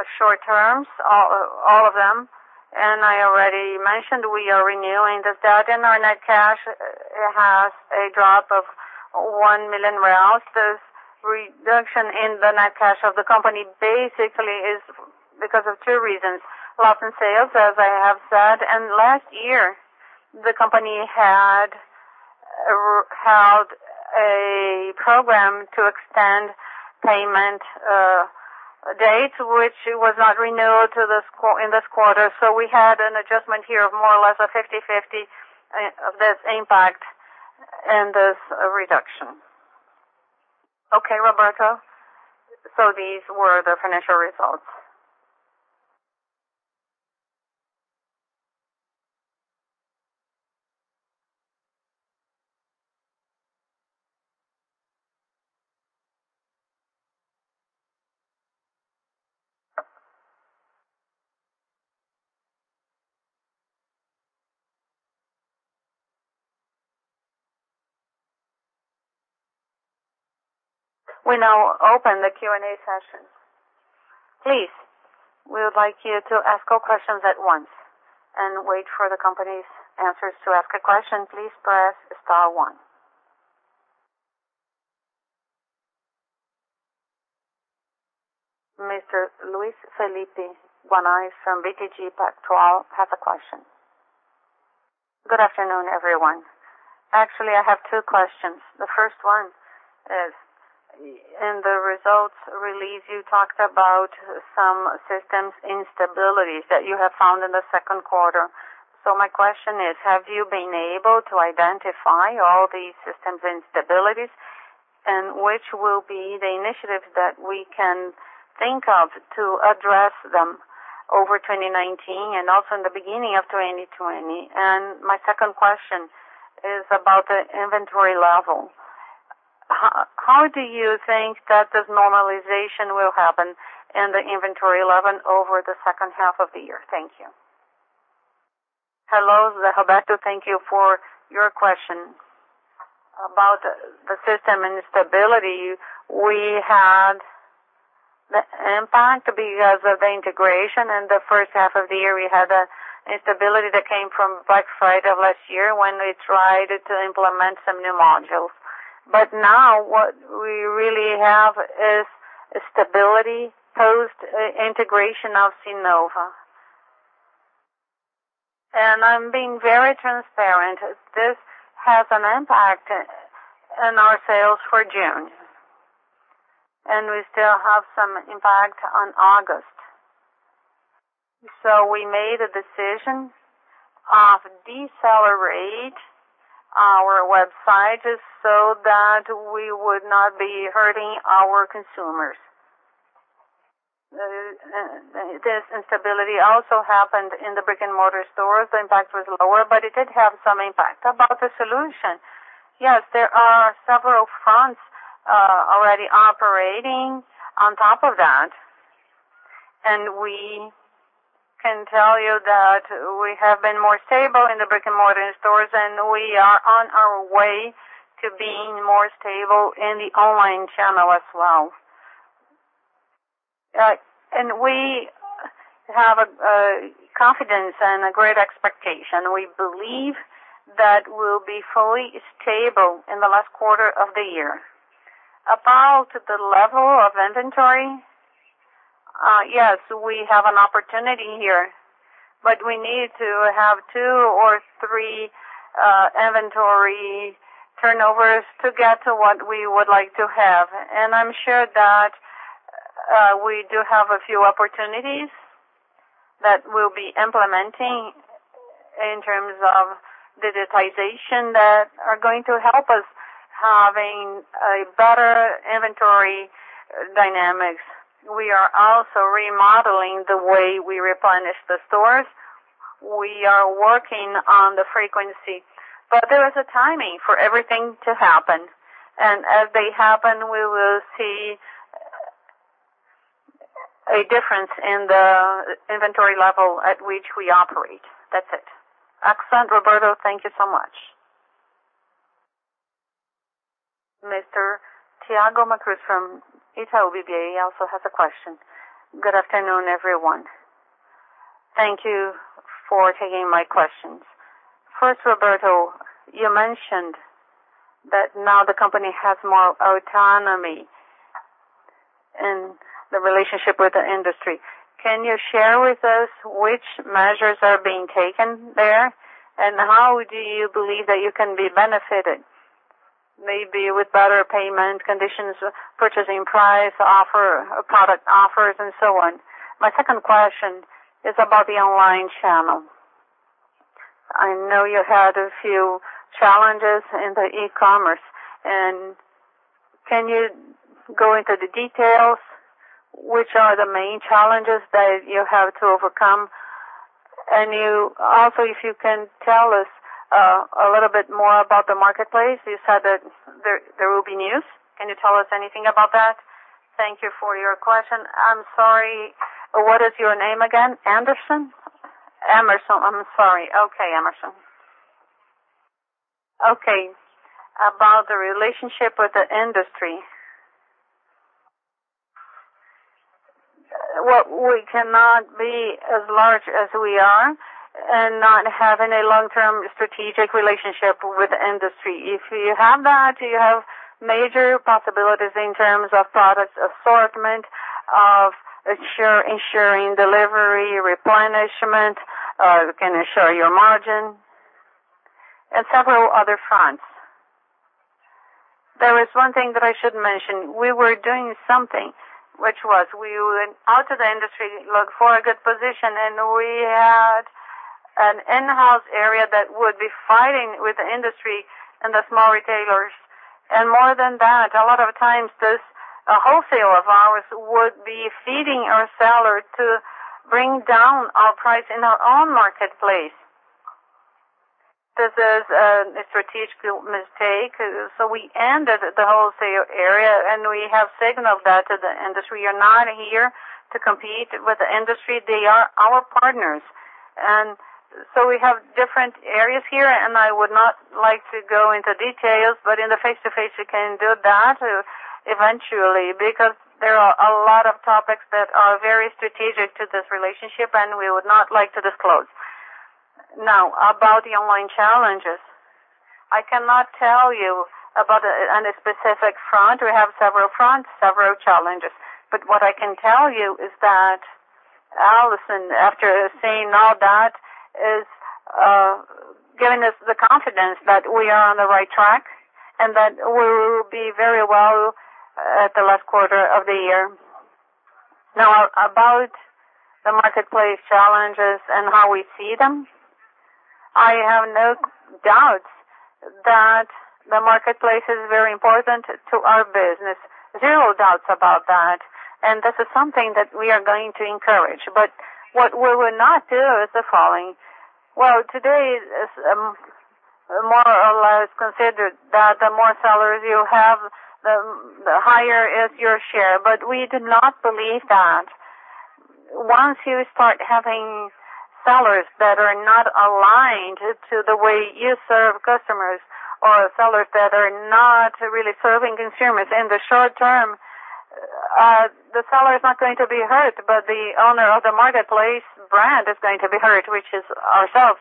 of short terms, all of them. I already mentioned, we are renewing this debt, and our net cash has a drop of 1 million reais. This reduction in the net cash of the company basically is because of two reasons: loss in sales, as I have said, and last year, the company had a program to extend payment dates, which was not renewed in this quarter. We had an adjustment here of more or less a 50/50 of this impact and this reduction. Okay, Roberto. These were the financial results. We now open the Q&A session. Please, we would like you to ask all questions at once and wait for the company's answers. To ask a question, please press star one. Mr. Luis Felipe Buanain from BTG Pactual has a question. Good afternoon, everyone. I have two questions. The first one is: in the results release, you talked about some systems instabilities that you have found in the second quarter. My question is, have you been able to identify all these systems instabilities, and which will be the initiatives that we can think of to address them over 2019 and also in the beginning of 2020? My second question is about the inventory level. How do you think that this normalization will happen in the inventory level over the second half of the year? Thank you. Hello, Roberto. Thank you for your question. About the system instability, we had the impact because of the integration. In the first half of the year, we had an instability that came from Black Friday of last year when we tried to implement some new modules. Now what we really have is stability post-integration of Cnova. I'm being very transparent. This has an impact on our sales for June. We still have some impact on August. We made a decision of decelerate our website just so that we would not be hurting our consumers. This instability also happened in the brick-and-mortar stores. The impact was lower, but it did have some impact. About the solution, yes, there are several fronts already operating on top of that. We can tell you that we have been more stable in the brick-and-mortar stores, and we are on our way to being more stable in the online channel as well. We have confidence and a great expectation. We believe that we'll be fully stable in the last quarter of the year. About the level of inventory, yes, we have an opportunity here, but we need to have two or three inventory turnovers to get to what we would like to have. I'm sure that we do have a few opportunities that we'll be implementing in terms of digitization that are going to help us having a better inventory dynamics. We are also remodeling the way we replenish the stores. We are working on the frequency, but there is a timing for everything to happen. As they happen, we will see a difference in the inventory level at which we operate. That's it. Excellent, Roberto. Thank you so much. Mr. Thiago Cruz from Itaú BBA also has a question. Good afternoon, everyone. Thank you for taking my questions. First, Roberto, you mentioned that now the company has more autonomy in the relationship with the industry. Can you share with us which measures are being taken there? How do you believe that you can be benefited? Maybe with better payment conditions, purchasing price offer, product offers, and so on. My second question is about the online channel. I know you had a few challenges in the e-commerce. Can you go into the details? Which are the main challenges that you have to overcome? Also, if you can tell us a little bit more about the marketplace. You said that there will be news. Can you tell us anything about that? Thank you for your question. I'm sorry, what is your name again? Anderson? Emerson. I'm sorry. Okay, Emerson. About the relationship with the industry. We cannot be as large as we are and not have any long-term strategic relationship with the industry. If you have that, you have major possibilities in terms of product assortment, of ensuring delivery, replenishment. You can ensure your margin and several other fronts. There is one thing that I should mention. We were doing something, which was we went out to the industry, looked for a good position, and we had an in-house area that would be fighting with the industry and the small retailers. More than that, a lot of times, this wholesale of ours would be feeding our seller to bring down our price in our own marketplace. This is a strategic mistake. We ended the wholesale area, and we have signaled that to the industry. We are not here to compete with the industry. They are our partners. We have different areas here, and I would not like to go into details, but in the face-to-face, we can do that eventually, because there are a lot of topics that are very strategic to this relationship, and we would not like to disclose. Now, about the online challenges. I cannot tell you about any specific front. We have several fronts, several challenges. What I can tell you is that, Alysson, after seeing all that, is giving us the confidence that we are on the right track and that we will be very well at the last quarter of the year. Now, about the marketplace challenges and how we see them. I have no doubts that the marketplace is very important to our business. Zero doubts about that. This is something that we are going to encourage. What we will not do is the following. Well, today, it's more or less considered that the more sellers you have, the higher is your share. We do not believe that. Once you start having sellers that are not aligned to the way you serve customers or sellers that are not really serving consumers, in the short term, the seller is not going to be hurt, but the owner of the marketplace brand is going to be hurt, which is ourselves.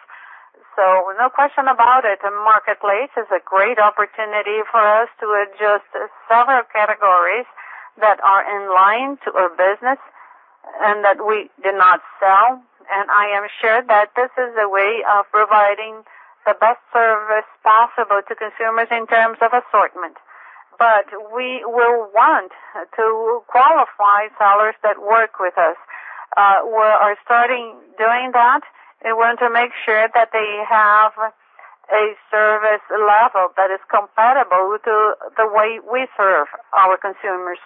No question about it. The marketplace is a great opportunity for us to adjust several categories that are in line to our business and that we do not sell. I am sure that this is a way of providing the best service possible to consumers in terms of assortment. We will want to qualify sellers that work with us. We are starting doing that. We want to make sure that they have a service level that is comparable to the way we serve our consumers.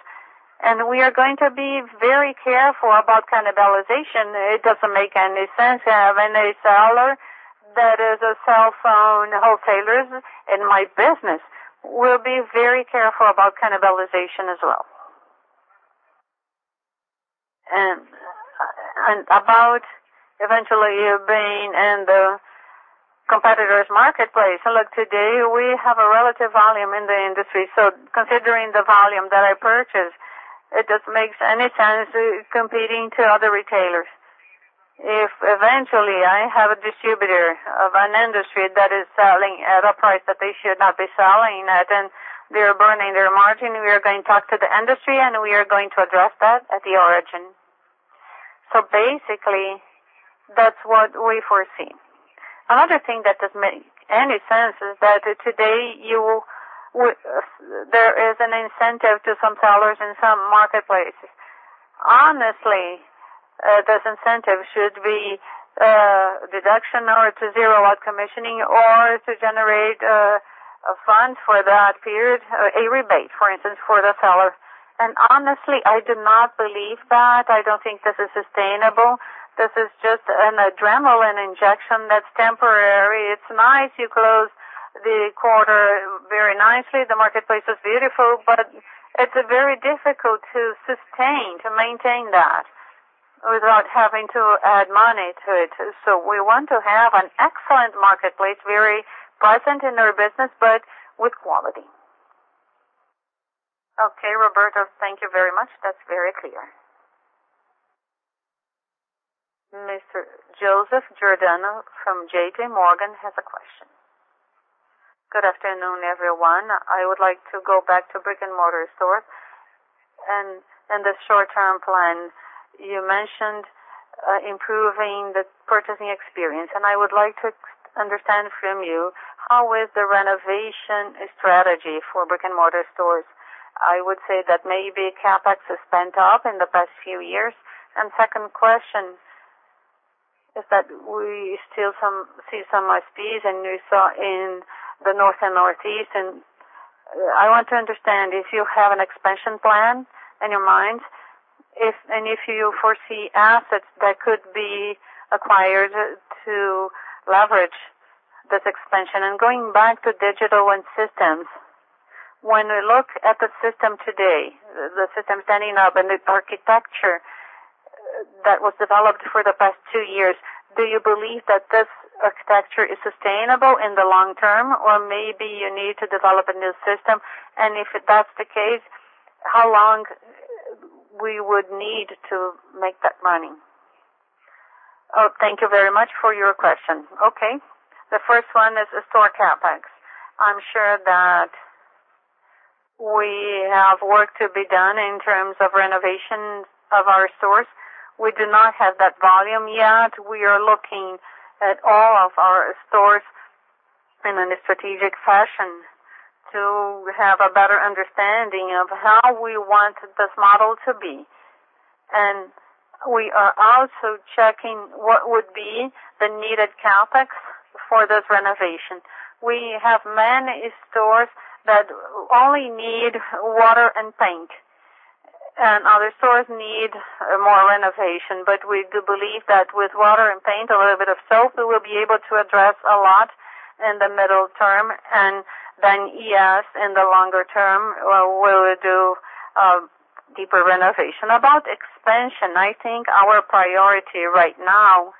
We are going to be very careful about cannibalization. It doesn't make any sense having a seller that is a cell phone wholesaler in my business. We'll be very careful about cannibalization as well. About eventually you being in the competitor's marketplace. Look, today we have a relative volume in the industry. Considering the volume that I purchase, it doesn't make any sense competing to other retailers. If eventually I have a distributor of an industry that is selling at a price that they should not be selling at, and they're burning their margin, we are going to talk to the industry, and we are going to address that at the origin. Basically, that's what we foresee. Another thing that doesn't make any sense is that today, there is an incentive to some sellers in some marketplaces. Honestly, this incentive should be a deduction or to zero out commissioning or to generate a fund for that period, a rebate, for instance, for the seller. Honestly, I do not believe that. I don't think this is sustainable. This is just an adrenaline injection that's temporary. It's nice. You close the quarter very nicely. The marketplace is beautiful, but it's very difficult to sustain, to maintain that without having to add money to it. We want to have an excellent marketplace, very present in our business, but with quality. Okay, Roberto, thank you very much. That's very clear. Mr. Joseph Giordano from J.P. Morgan has a question. Good afternoon, everyone. I would like to go back to brick-and-mortar stores and the short-term plan. You mentioned improving the purchasing experience, and I would like to understand from you, how is the renovation strategy for brick-and-mortar stores? I would say that maybe CapEx is spent up in the past few years. Second question is that we still see some PPs and we saw in the North and Northeast, I want to understand if you have an expansion plan in your mind, if you foresee assets that could be acquired to leverage this expansion. Going back to digital and systems, when we look at the system today, the system standing up and the architecture that was developed for the past two years, do you believe that this architecture is sustainable in the long term, or maybe you need to develop a new system? If that's the case, how long we would need to make that money? Thank you very much for your question. Okay. The first one is store CapEx. I'm sure that we have work to be done in terms of renovation of our stores. We do not have that volume yet. We are looking at all of our stores in a strategic fashion to have a better understanding of how we want this model to be. We are also checking what would be the needed CapEx for this renovation. We have many stores that only need water and paint, and other stores need more renovation. We do believe that with water and paint, a little bit of soap, we will be able to address a lot in the middle term. Yes, in the longer term, we will do a deeper renovation. About expansion, I think our priority right now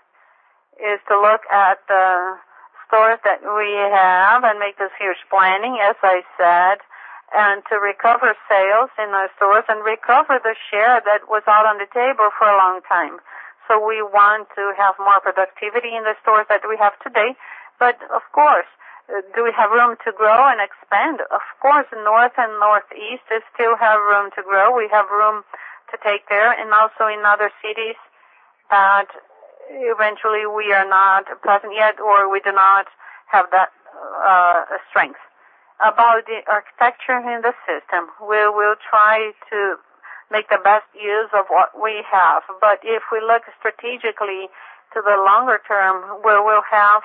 is to look at the stores that we have and make this huge planning, as I said, and to recover sales in our stores and recover the share that was out on the table for a long time. We want to have more productivity in the stores that we have today. Of course, do we have room to grow and expand? Of course, North and Northeast still have room to grow. We have room to take there and also in other cities that eventually we are not present yet, or we do not have that strength. About the architecture in the system, we will try to make the best use of what we have. If we look strategically to the longer term, we will have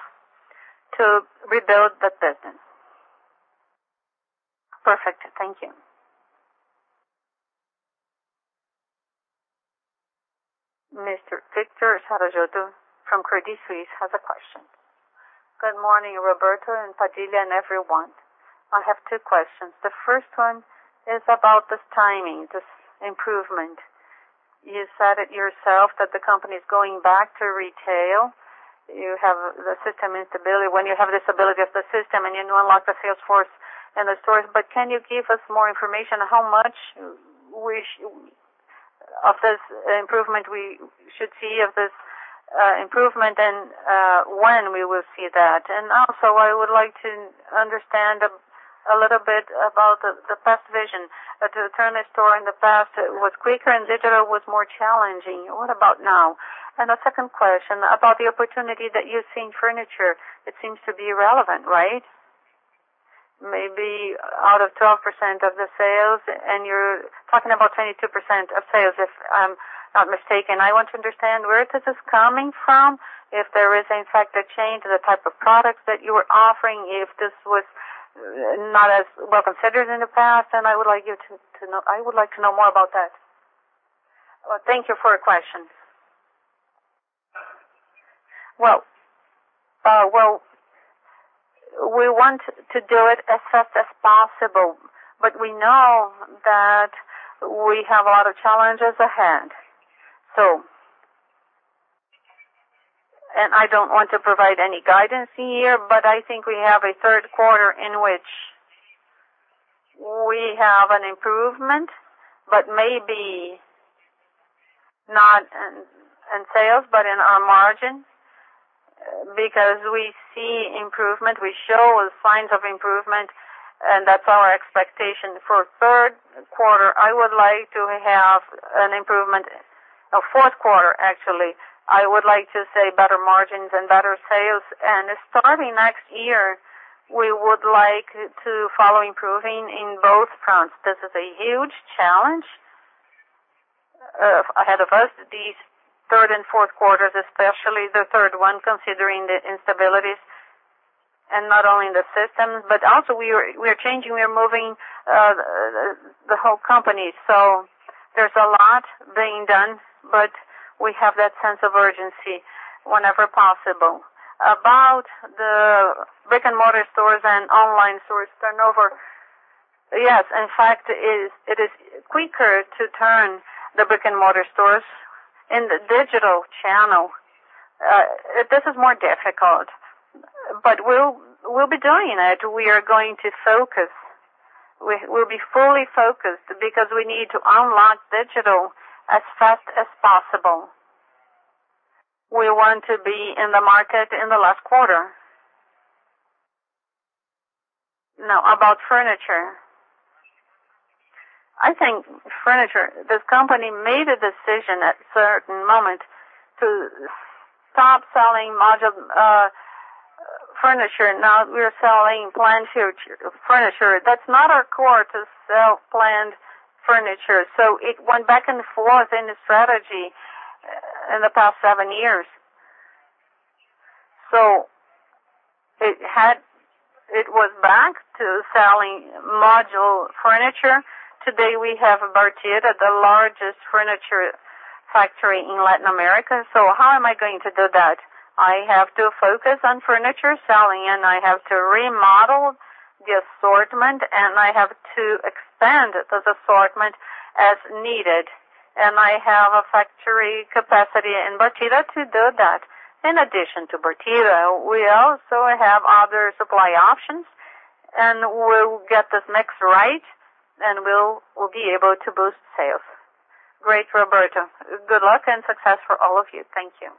to rebuild the business. Perfect. Thank you. Mr. Victor Saragiotto from Credit Suisse has a question. Good morning, Roberto and Padilha and everyone. I have two questions. The first one is about this timing, this improvement. You said it yourself that the company is going back to retail. You have the system instability. When you have the stability of the system and you unlock the sales force and the stores. Can you give us more information how much of this improvement we should see and when we will see that? Also, I would like to understand a little bit about the past vision. That the store in the past was quicker and digital was more challenging. What about now? The second question about the opportunity that you see in furniture. It seems to be relevant, right? Maybe out of 12% of the sales, and you're talking about 22% of sales, if I'm not mistaken. I want to understand where this is coming from, if there is in fact a change in the type of products that you are offering, if this was not as well considered in the past, and I would like to know more about that. Thank you for your questions. Well, we want to do it as fast as possible, but we know that we have a lot of challenges ahead. I don't want to provide any guidance here, but I think we have a third quarter in which we have an improvement, but maybe not in sales, but in our margin. We see improvement, we show signs of improvement, and that's our expectation. For third quarter, I would like to have an improvement. Fourth quarter, actually, I would like to say better margins and better sales. Starting next year, we would like to follow improving in both fronts. This is a huge challenge ahead of us, these third and fourth quarters, especially the third one, considering the instabilities. Not only in the system, but also we are changing, we are moving the whole company. There's a lot being done, but we have that sense of urgency whenever possible. About the brick-and-mortar stores and online stores turnover. Yes, in fact, it is quicker to turn the brick-and-mortar stores. In the digital channel, this is more difficult. We'll be doing it. We are going to focus. We'll be fully focused because we need to unlock digital as fast as possible. We want to be in the market in the last quarter. Now, about furniture. I think this company made a decision at a certain moment to stop selling module furniture. We are selling planned furniture. That's not our core, to sell planned furniture. It went back and forth in the strategy in the past seven years. It was back to selling module furniture. Today we have Bartira, the largest furniture factory in Latin America. How am I going to do that? I have to focus on furniture selling, and I have to remodel the assortment, and I have to expand this assortment as needed. I have a factory capacity in Bartira to do that. In addition to Bartira, we also have other supply options, and we'll get this mix right, and we'll be able to boost sales. Great, Roberto. Good luck and success for all of you. Thank you.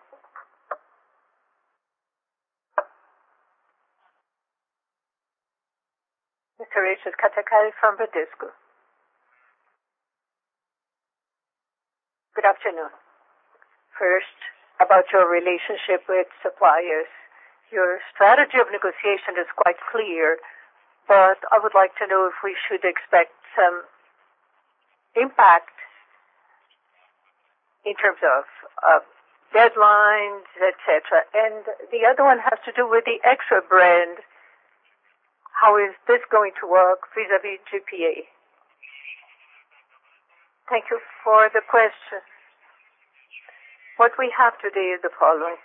Mr. Richard Cathcart from Bradesco. Good afternoon. First, about your relationship with suppliers. Your strategy of negotiation is quite clear. I would like to know if we should expect some impact in terms of deadlines, et cetera. The other one has to do with the Extra brand. How is this going to work vis-à-vis GPA? Thank you for the question. What we have today is the following.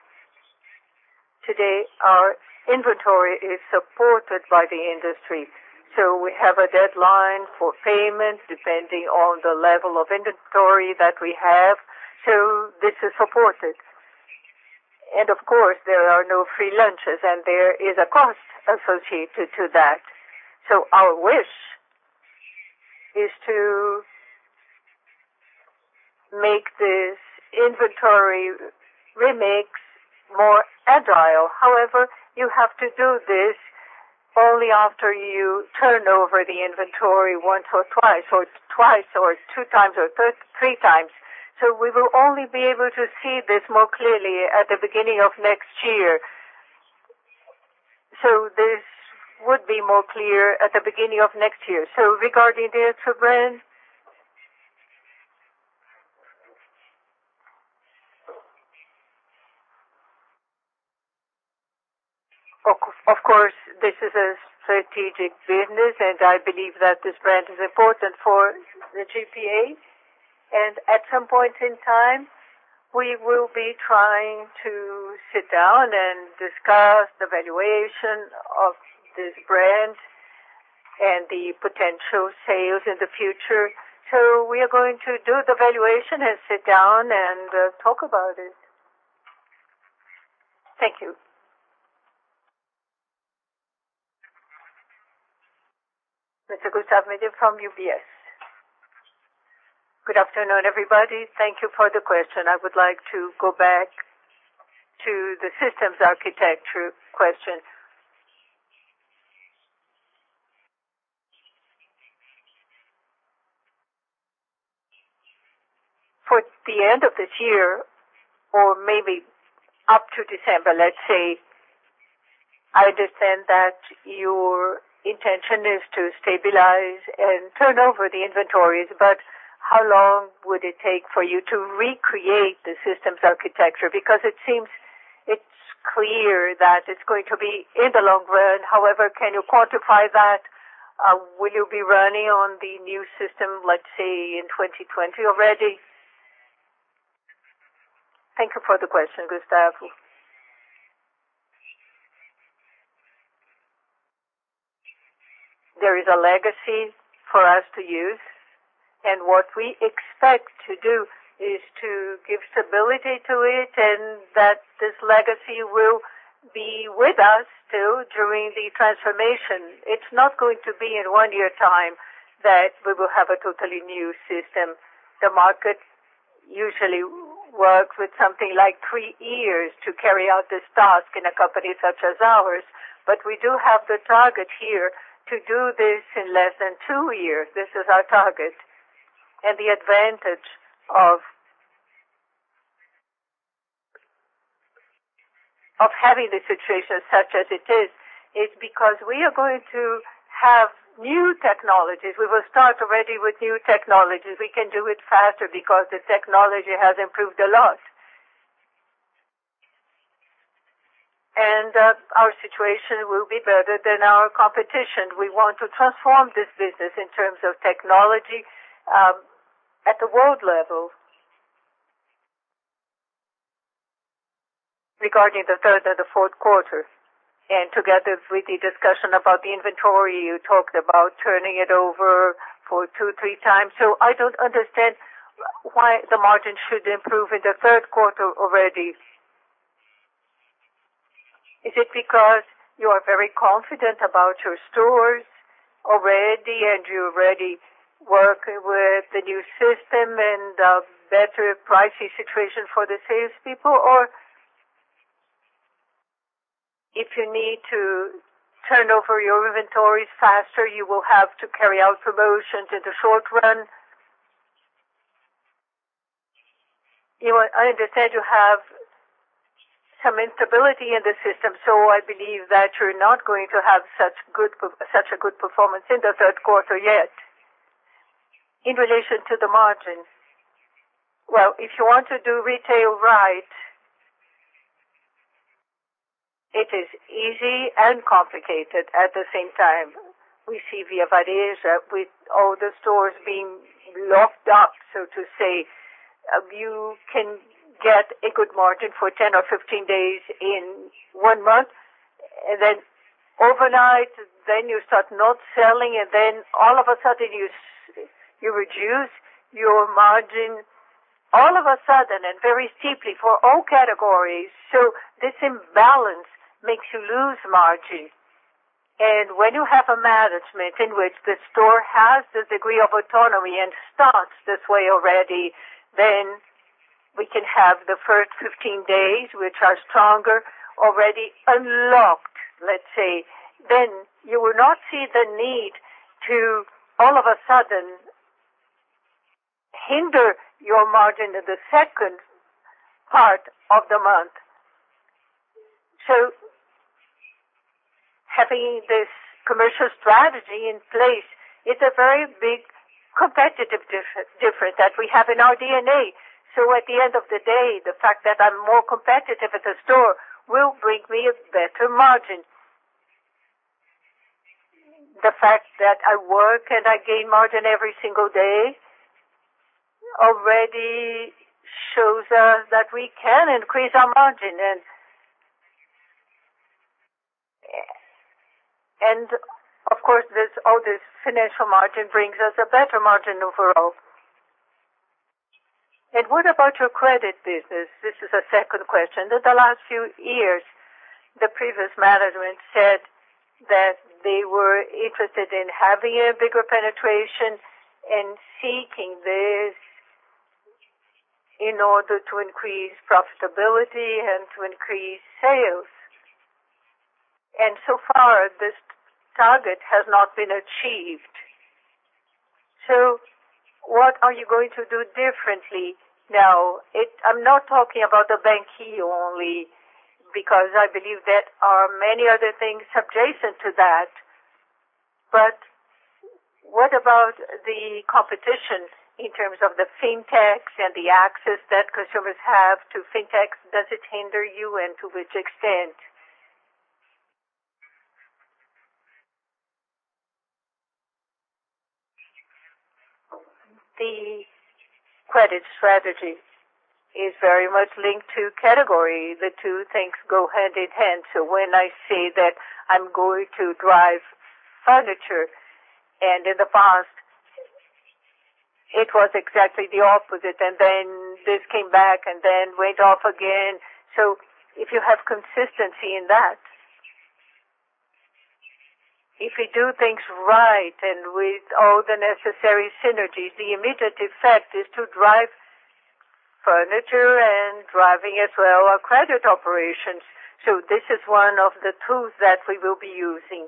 Today, our inventory is supported by the industry. We have a deadline for payment depending on the level of inventory that we have. This is supported. Of course, there are no free lunches and there is a cost associated to that. Our wish is to make this inventory remix more agile. However, you have to do this only after you turn over the inventory once or twice, or two times or three times. We will only be able to see this more clearly at the beginning of next year. This would be more clear at the beginning of next year. Regarding the Extra brand. Of course, this is a strategic business, and I believe that this brand is important for the GPA. At some point in time, we will be trying to sit down and discuss the valuation of this brand and the potential sales in the future. We are going to do the valuation and sit down and talk about it. Thank you. Mr. Gustavo Medeiros from UBS. Good afternoon, everybody. Thank you for the question. I would like to go back to the systems architecture question. For the end of this year, or maybe up to December, let's say, I understand that your intention is to stabilize and turn over the inventories, but how long would it take for you to recreate the systems architecture? It seems it's clear that it's going to be in the long run. However, can you quantify that? Will you be running on the new system, let's say, in 2020 already? Thank you for the question, Gustavo. There is a legacy for us to use, and what we expect to do is to give stability to it, and that this legacy will be with us too during the transformation. It's not going to be in one year time that we will have a totally new system. The market usually works with something like three years to carry out this task in a company such as ours. We do have the target here to do this in less than two years. This is our target. The advantage of having the situation such as it is because we are going to have new technologies. We will start already with new technologies. We can do it faster because the technology has improved a lot. Our situation will be better than our competition. We want to transform this business in terms of technology at the world level. Regarding the third and the fourth quarter, and together with the discussion about the inventory, you talked about turning it over for two, three times. I don't understand why the margin should improve in the third quarter already. Is it because you are very confident about your stores already, and you already work with the new system and a better pricing situation for the salespeople? If you need to turn over your inventories faster, you will have to carry out promotions in the short run. I understand you have some instability in the system, I believe that you're not going to have such a good performance in the third quarter yet in relation to the margin. Well, if you want to do retail right, it is easy and complicated at the same time. We see Via Varejo with all the stores being locked up, so to say. You can get a good margin for 10 or 15 days in one month. Overnight, then you start not selling, and then all of a sudden, you reduce your margin all of a sudden and very steeply for all categories. This imbalance makes you lose margin. When you have a management in which the store has the degree of autonomy and starts this way already, then we can have the first 15 days, which are stronger, already unlocked, let's say. You will not see the need to all of a sudden hinder your margin in the second part of the month. Having this commercial strategy in place, it's a very big competitive difference that we have in our DNA. At the end of the day, the fact that I'm more competitive at the store will bring me a better margin. The fact that I work and I gain margin every single day already shows us that we can increase our margin. Of course, all this financial margin brings us a better margin overall. What about your credit business? This is a second question. In the last few years, the previous management said that they were interested in having a bigger penetration and seeking this in order to increase profitability and to increase sales. So far, this target has not been achieved. What are you going to do differently now? I'm not talking about the BanQi only, because I believe there are many other things adjacent to that. What about the competition in terms of the fintechs and the access that consumers have to fintechs? Does it hinder you and to which extent? The credit strategy is very much linked to category. The two things go hand in hand. When I say that I'm going to drive furniture, and in the past, it was exactly the opposite, and then this came back and then went off again. If you have consistency in that, if you do things right and with all the necessary synergies, the immediate effect is to drive furniture and driving as well our credit operations. This is one of the tools that we will be using.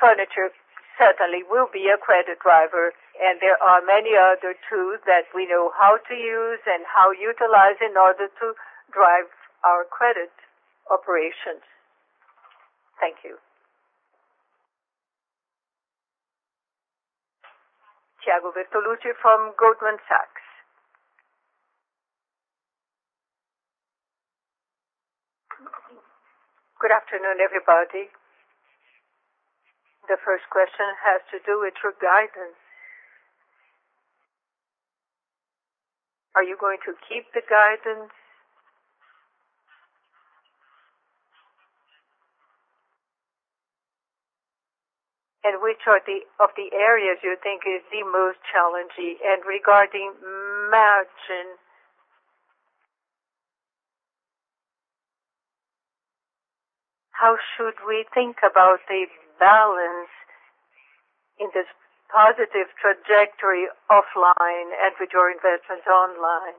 Furniture certainly will be a credit driver, there are many other tools that we know how to use and how utilize in order to drive our credit operations. Thank you. Thiago Bortoluci from Goldman Sachs. Good afternoon, everybody. The first question has to do with your guidance. Are you going to keep the guidance? Which of the areas you think is the most challenging? Regarding margin, how should we think about the balance in this positive trajectory offline and with your investments online?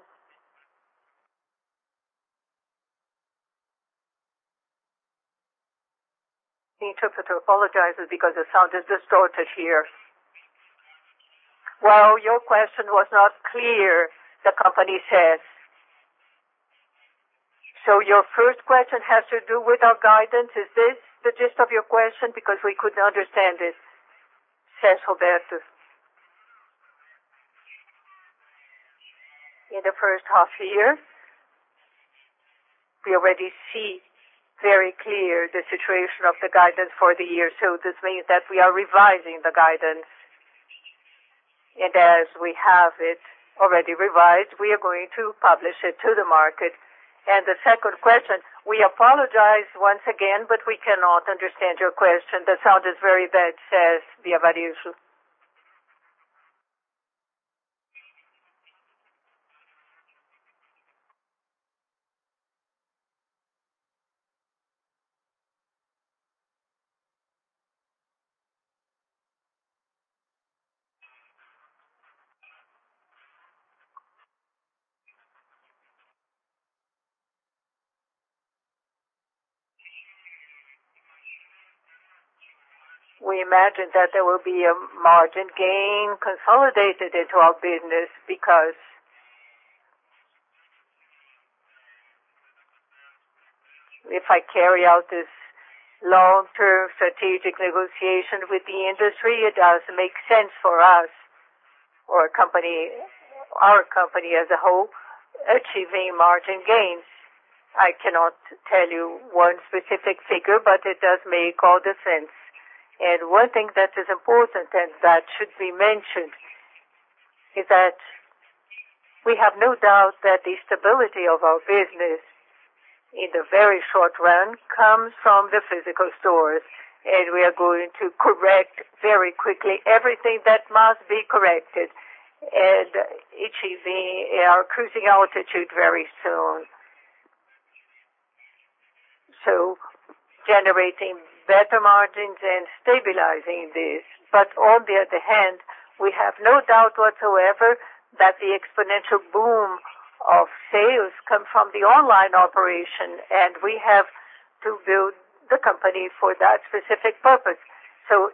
The interpreter apologizes because the sound is distorted here. Well, your question was not clear, the company says. Your first question has to do with our guidance. Is this the gist of your question? We could not understand it, says Roberto. In the first half year, we already see very clear the situation of the guidance for the year. This means that we are revising the guidance. As we have it already revised, we are going to publish it to the market. The second question, we apologize once again, but we cannot understand your question. The sound is very bad, says Via Varejo. We imagine that there will be a margin gain consolidated into our business because if I carry out this long-term strategic negotiation with the industry, it does make sense for us or our company as a whole, achieving margin gains. I cannot tell you one specific figure, but it does make all the sense. One thing that is important and that should be mentioned is that we have no doubt that the stability of our business in the very short run comes from the physical stores, and we are going to correct very quickly everything that must be corrected and achieving our cruising altitude very soon, generating better margins and stabilizing this. On the other hand, we have no doubt whatsoever that the exponential boom of sales come from the online operation, and we have to build the company for that specific purpose.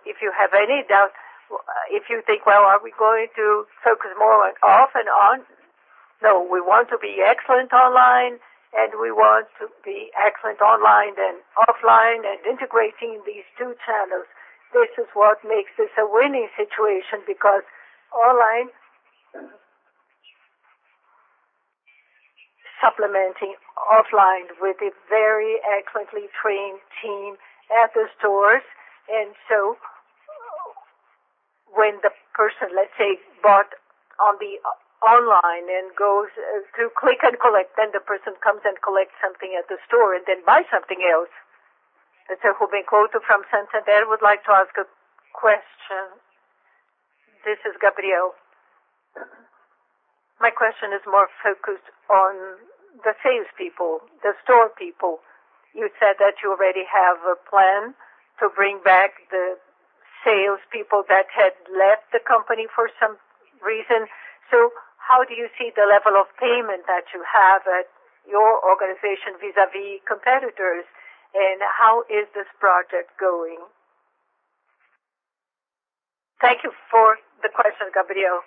If you have any doubt, if you think, well, are we going to focus more on off and on? No, we want to be excellent online, and we want to be excellent online and offline and integrating these two channels. This is what makes this a winning situation because online, supplementing offline with a very excellently trained team at the stores. When the person, let's say, bought on the online and goes to click and collect, the person comes and collects something at the store and then buys something else. Mr. Gabriel Couto from Santander would like to ask a question. This is Gabriel. My question is more focused on the salespeople, the store people. You said that you already have a plan to bring back the salespeople that had left the company for some reason. How do you see the level of payment that you have at your organization vis-a-vis competitors? How is this project going? Thank you for the question, Gabriel.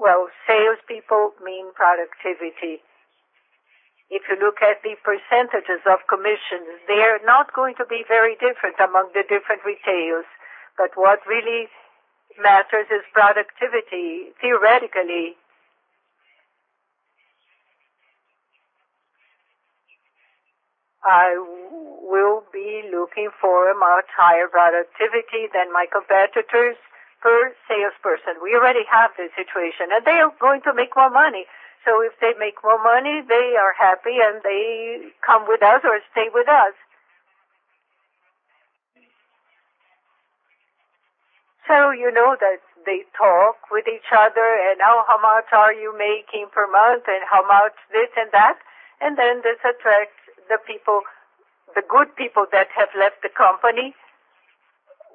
Well, salespeople mean productivity. If you look at the percentages of commissions, they are not going to be very different among the different retailers. What really matters is productivity. Theoretically, I will be looking for a much higher productivity than my competitors per salesperson. We already have this situation, and they are going to make more money. If they make more money, they are happy, and they come with us or stay with us. You know that they talk with each other and, "Oh, how much are you making per month, and how much this and that?" This attracts the good people that have left the company,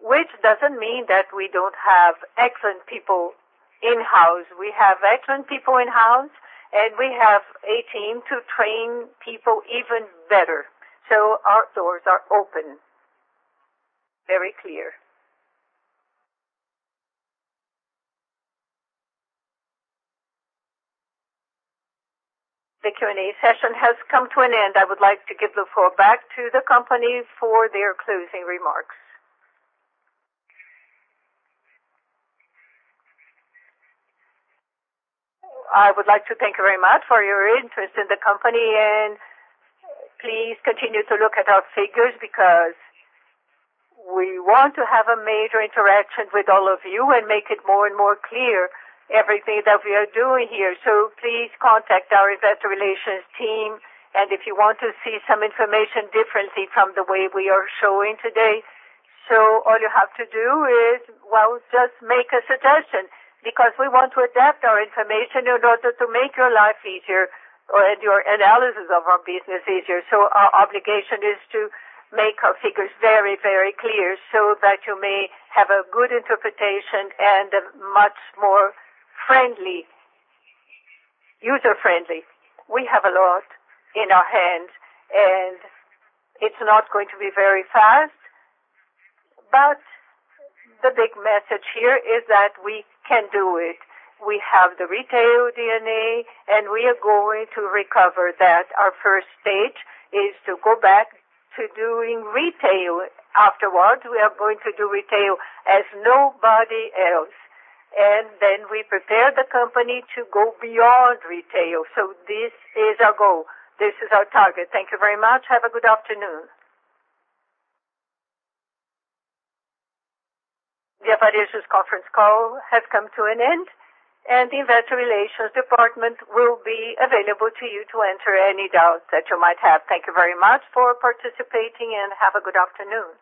which doesn't mean that we don't have excellent people in-house. We have excellent people in-house, and we have a team to train people even better. Our doors are open. Very clear. The Q&A session has come to an end. I would like to give the floor back to the company for their closing remarks. I would like to thank you very much for your interest in the company, and please continue to look at our figures because we want to have a major interaction with all of you and make it more and more clear everything that we are doing here. Please contact our Investor Relations team. If you want to see some information differently from the way we are showing today, all you have to do is, well, just make a suggestion. We want to adapt our information in order to make your life easier or your analysis of our business easier. Our obligation is to make our figures very, very clear so that you may have a good interpretation. We have a lot in our hands, and it's not going to be very fast. The big message here is that we can do it. We have the retail DNA, and we are going to recover that. Our first stage is to go back to doing retail. Afterwards, we are going to do retail as nobody else. We prepare the company to go beyond retail. This is our goal. This is our target. Thank you very much. Have a good afternoon. Grupo Casas Bahia's conference call has come to an end, and the investor relations department will be available to you to answer any doubts that you might have. Thank you very much for participating, and have a good afternoon.